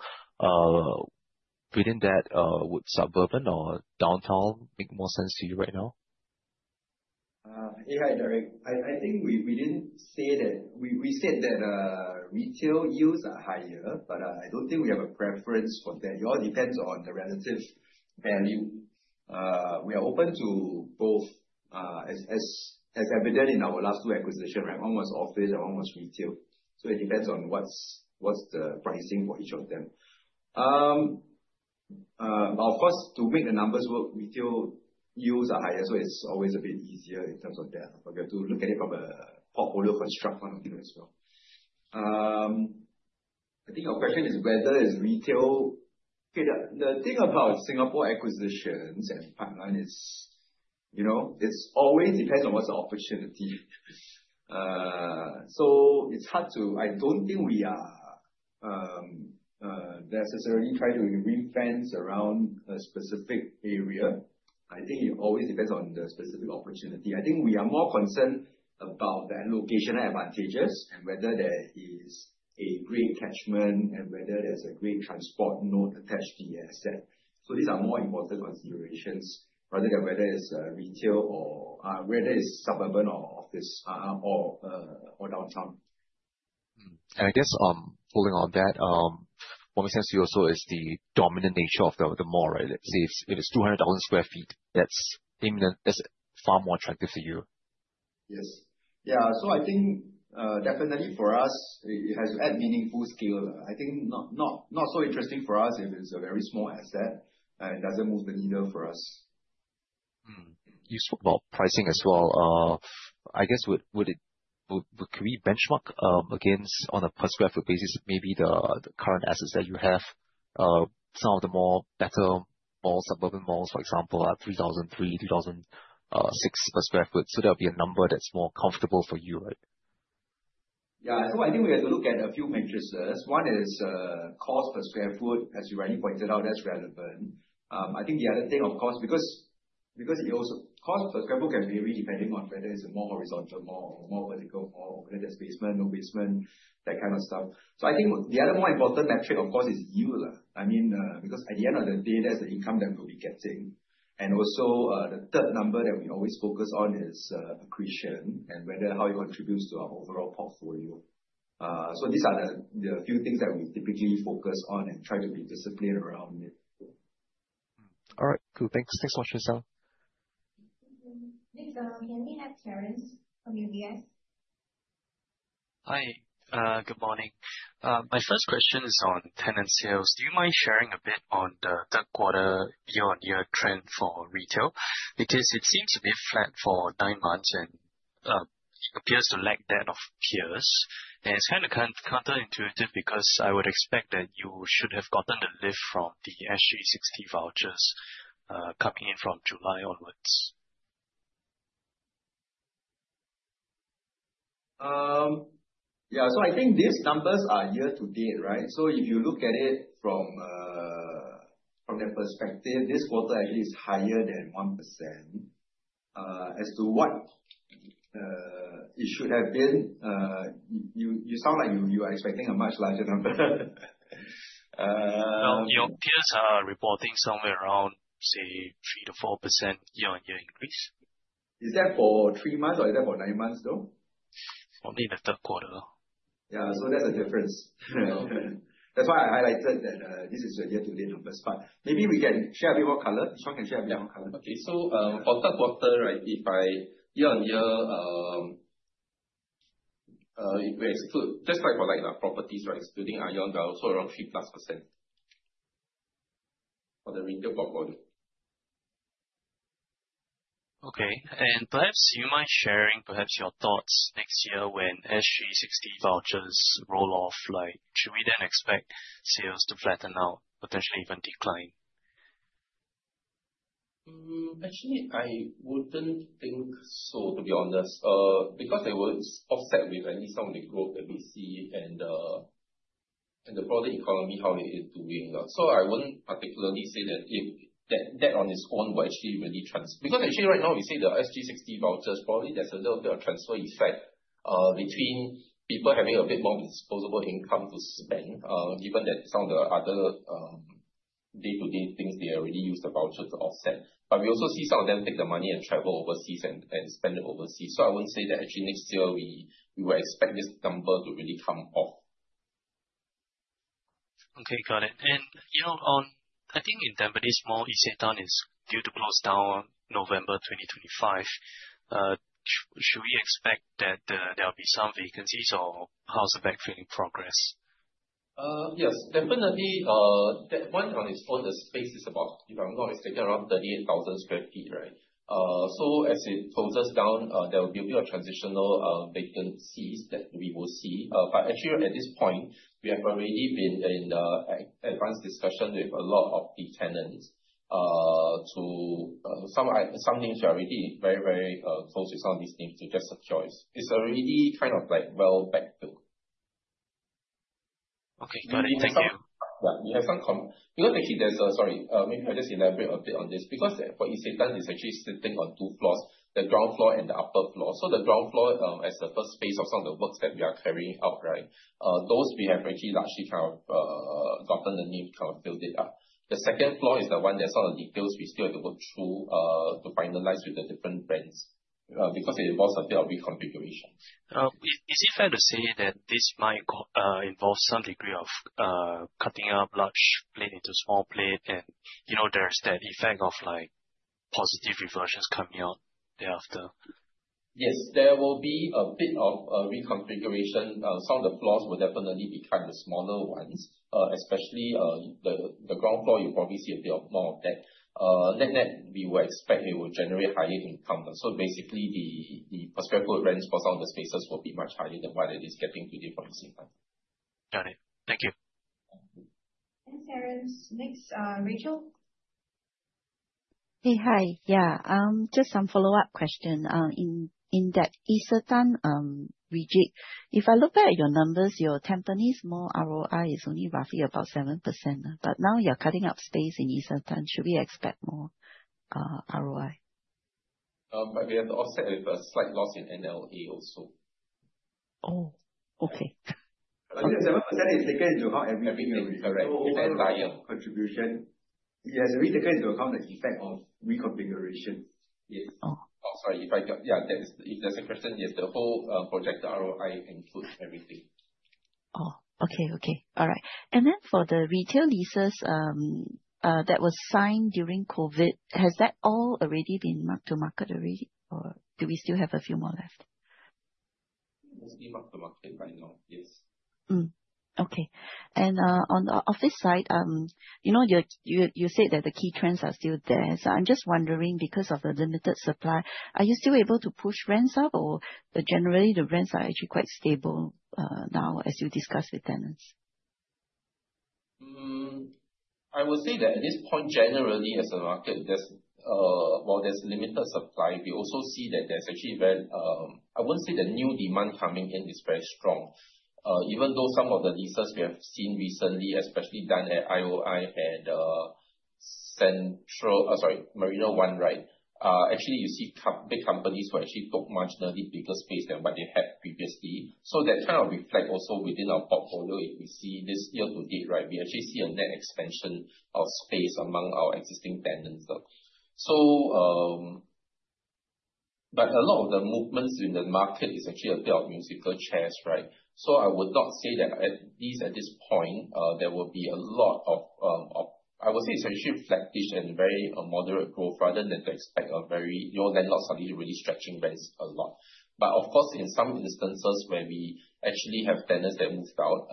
Within that, would suburban or downtown make more sense to you right now? You're right, Derek. I think we said that retail yields are higher, I don't think we have a preference for that. It all depends on the relative value. We are open to both, as evident in our last two acquisition. One was office and one was retail. It depends on what's the pricing for each of them. Of course, to make the numbers work, retail yields are higher, it's always a bit easier in terms of that. We have to look at it from a portfolio construct point of view as well. I think your question is whether it's retail. The thing about Singapore acquisitions at Prime Line is it always depends on what's the opportunity. It's hard to I don't think we are necessarily trying to ring-fence around a specific area. I think it always depends on the specific opportunity. I think we are more concerned about the location advantages and whether there is a great catchment and whether there's a great transport node attached to the asset. These are more important considerations rather than whether it's retail or whether it's suburban or office or downtown. I guess following on that, what makes sense to you also is the dominant nature of the mall, right? Let's say if it's 200,000 sq ft, that's far more attractive to you. Yes. Yeah. I think, definitely for us, it has to add meaningful scale. I think not so interesting for us if it's a very small asset. It doesn't move the needle for us. You spoke about pricing as well. Could we benchmark against on a per sq ft basis, maybe the current assets that you have, some of the more better suburban malls, for example, are 3,003, 3,006 per sq ft. That would be a number that's more comfortable for you, right? Yeah. I think we have to look at a few metrics. One is, cost per sq ft, as you already pointed out, that's relevant. I think the other thing, of course, because cost per sq ft can vary depending on whether it's a more horizontal mall or a more vertical mall, whether there's basement, no basement, that kind of stuff. I think the other more important metric, of course, is yield. Because at the end of the day, that's the income that we'll be getting. Also, the third number that we always focus on is accretion and whether how it contributes to our overall portfolio. These are the few things that we typically focus on and try to be disciplined around it. All right, cool. Thanks. Thanks so much for your time. Thank you. Next up, can we have Terence from UOB? Hi, good morning. My first question is on tenant sales. Do you mind sharing a bit on the third quarter year-on-year trend for retail? It seems to be flat for nine months and appears to lag that of peers. It's kind of counterintuitive because I would expect that you should have gotten the lift from the SG60 vouchers coming in from July onwards. Yeah. I think these numbers are year to date, right? If you look at it from that perspective, this quarter actually is higher than 1%. As to what it should have been, you sound like you are expecting a much larger number. Well, your peers are reporting somewhere around, say, 3%-4% year-on-year increase. Is that for three months or is that for nine months, though? Only the third quarter. Yeah. That's the difference. That's why I highlighted that this is a year-to-date numbers. Maybe we can share a bit more color. Chuan can share a bit more color. Okay. For third quarter, if by year-on-year, where it's good, just like for the properties, excluding ION they're also around three-plus %. For the retail portfolio. Okay. Perhaps you mind sharing, perhaps your thoughts next year when SG60 vouchers roll off, should we then expect sales to flatten out, potentially even decline? Actually, I wouldn't think so, to be honest. They would offset with at least some of the growth that we see and the broader economy, how it is doing. I wouldn't particularly say that that on its own would actually really transfer. Actually right now we see the SG60 vouchers, probably there's a little bit of transfer effect between people having a bit more disposable income to spend, given that some of the other day-to-day things they already use the voucher to offset. We also see some of them take the money and travel overseas and spend it overseas. I wouldn't say that actually next year we would expect this number to really come off. Okay, got it. On, I think in Tampines Mall, Isetan is due to close down November 2025. Should we expect that there will be some vacancies, or how's the backfilling progress? Yes, definitely. That one on its own, the space is about, if I'm not mistaken, around 38,000 square feet, right? As it closes down, there will be a bit of transitional vacancies that we will see. Actually at this point, we have already been in advanced discussion with a lot of the tenants. Some things we are already very close to some of these things, to just a choice. It's already kind of well backfilled. Okay, got it. Thank you. Yeah. We have some. Because actually there's a Sorry, maybe if I just elaborate a bit on this, because for Isetan it's actually sitting on two floors, the ground floor and the upper floor. The ground floor, as the first phase of some of the works that we are carrying out, those we have actually largely gotten the need, kind of built it up. The second floor is the one that some of the details we still have to work through to finalize with the different brands, because it involves a bit of reconfiguration. Is it fair to say that this might involve some degree of cutting up large plate into small plate and there's that effect of positive reversions coming out thereafter? Yes, there will be a bit of a reconfiguration. Some of the floors will definitely be smaller ones, especially the ground floor, you'll probably see a bit more of that. Net, we would expect it will generate higher income. Basically the per square foot rents for some of the spaces will be much higher than what it is getting today from Isetan. Got it. Thank you. Thanks, Terence. Next, Rachel. Hey, hi. Yeah, just some follow-up question. In that Isetan rejig, if I look back at your numbers, your Tampines Mall ROI is only roughly about 7%. Now you're cutting up space in Isetan. Should we expect more ROI? We have to offset with a slight loss in NLA also. Oh, okay. That 7% is taken into how Everything is referred, with ION contribution. Yes, already taken into account the effect of reconfiguration. Yes. Oh. Oh, sorry. If there's a question, yes, the whole project ROI includes everything. Oh, okay. All right. For the retail leases that were signed during COVID, has that all already been mark-to-market already, or do we still have a few more left? The scheme of the market right now is. Okay. On the office side, you said that the key trends are still there. I'm just wondering, because of the limited supply, are you still able to push rents up or generally, the rents are actually quite stable now as you discuss with tenants? I would say that at this point, generally as a market, while there's limited supply, we also see that there's actually, I wouldn't say the new demand coming in is very strong. Even though some of the leases we have seen recently, especially done at IOI and Marina One, you see big companies who actually took much bigger space than what they had previously. That kind of reflects also within our portfolio. If we see this year to date, we actually see a net expansion of space among our existing tenants. A lot of the movements in the market is actually a bit of musical chairs. I would not say that, at least at this point, there will be a lot of I would say it's actually flat-ish and very moderate growth rather than to expect your landlord suddenly really stretching rents a lot. Of course, in some instances where we actually have tenants that moved out,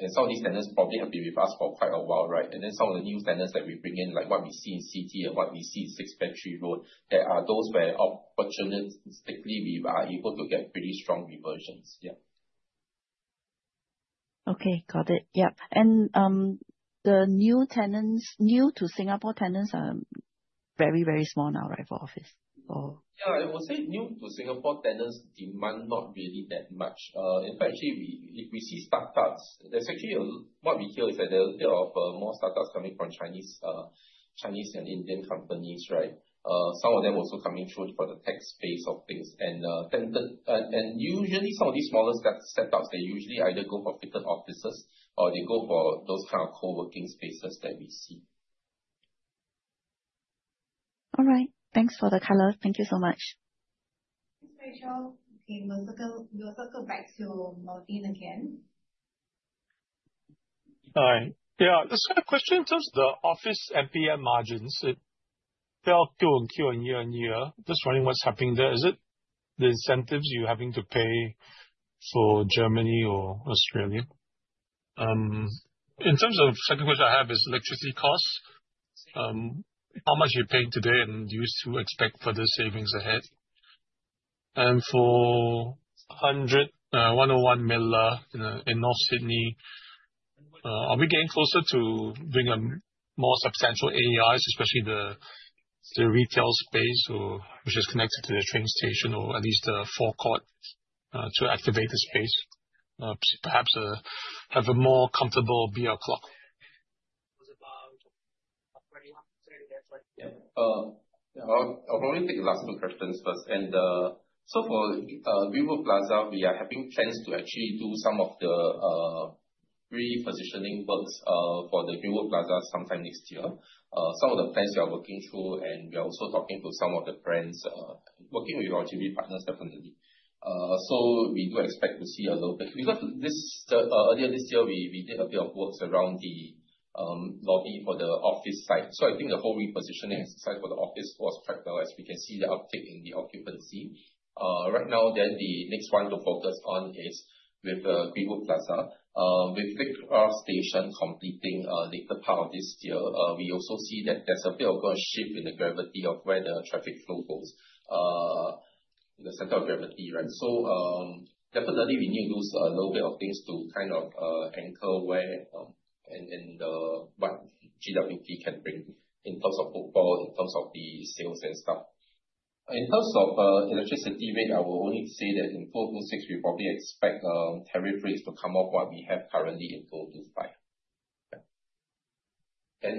and some of these tenants probably have been with us for quite a while. Some of the new tenants that we bring in, like what we see in City and what we see at 6 Battery Road, there are those where opportunistically, we are able to get pretty strong reversions. Yeah. Okay, got it. Yep. The new to Singapore tenants are very small now for office? Yeah, I would say new-to-Singapore tenants demand not really that much. In fact, actually, we see startups. What we hear is that there are a bit of more startups coming from Chinese and Indian companies. Some of them also coming through for the tech space of things. Usually some of these smaller startups, they usually either go for fitted offices or they go for those kind of co-working spaces that we see. All right. Thanks for the color. Thank you so much. Thanks, Rachel. Okay, we'll circle back to Mervin again. Hi. Yeah, just got a question in terms of the office NPM margins, it fell quarter-over-quarter and year-over-year. Just wondering what's happening there. Is it the incentives you're having to pay for Germany or Australia? In terms of second question I have is electricity costs. How much are you paying today, and do you still expect further savings ahead? For 101 Miller in North Sydney, are we getting closer to bringing more substantial AEIs, especially the retail space, which is connected to the train station or at least the forecourt, to activate the space? Perhaps have a more comfortable beer o'clock. I'll probably take the last 2 questions first. For Greenwood Plaza, we are having plans to actually do some of the repositioning works for the Greenwood Plaza sometime next year. Some of the plans we are working through, and we are also talking to some of the brands, working with our JV partners definitely. We do expect to see Earlier this year, we did a bit of works around the lobby for the office site. I think the whole repositioning site for the office was materialized. We can see the uptick in the occupancy. Right now, the next one to focus on is with Greenwood Plaza. With Victoria Cross Station completing later part of this year, we also see that there's a bit of a shift in the gravity of where the traffic flow goes, the center of gravity. Definitely we need those little bit of things to anchor where and what GWP can bring in terms of football, in terms of the sales and stuff. In terms of electricity rate, I will only say that in 2026, we probably expect tariff rates to come off what we have currently in 2025. Yeah. The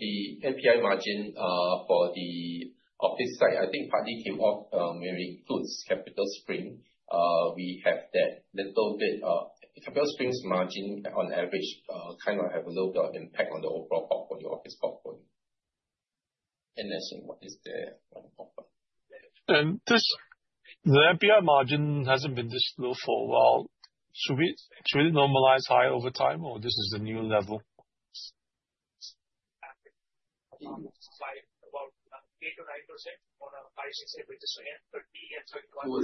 NPI margin for the office site, I think partly came off when we include CapitaSpring. We have that little bit of CapitaSpring's margin on average, kind of have a little bit of impact on the overall office portfolio. That's it. What is there on the portfolio. The NPI margin hasn't been this low for a while. Should it normalize high over time, or this is the new level? By about 8%-9% on a five, six, seven, end 30, end 31.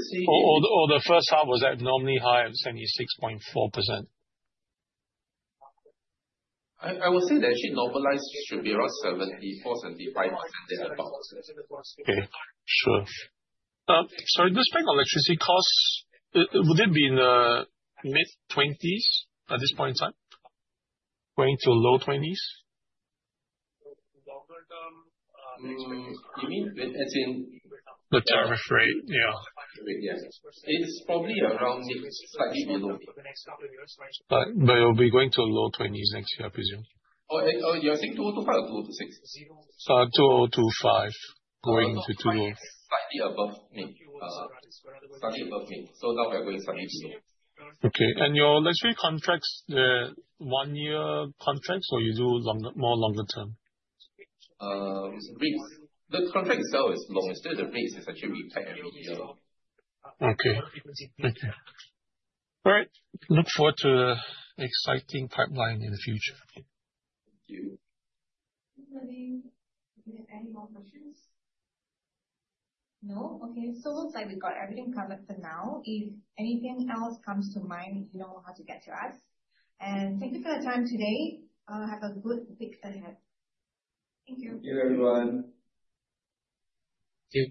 The first half was abnormally high at 76.4%? I would say that it should normalize to be around 74%, 75%, thereabout. Okay. Sure. Sorry, just back on electricity costs, would it be in the mid-20s at this point in time? Going to low 20s? Longer-term expectations. You mean as in the tariff rate? Yeah. It's probably around slightly below. It'll be going to low 20s next year, I presume. You're saying 2025 or 2026? 2025, going into 20- Slightly above mid. Slightly above mid. Now we are going slightly below. Okay. Your electricity contracts, they're one-year contracts or you do more longer term? The contract itself is long. It's just the rates, it's actually reset every year. Okay. Thank you. All right. Look forward to the exciting pipeline in the future. Thank you. Anything? Any more questions? No. Okay. Looks like we've got everything covered for now. If anything else comes to mind, you know how to get to us. Thank you for your time today. Have a good week ahead. Thank you. Thank you, everyone. Thank you.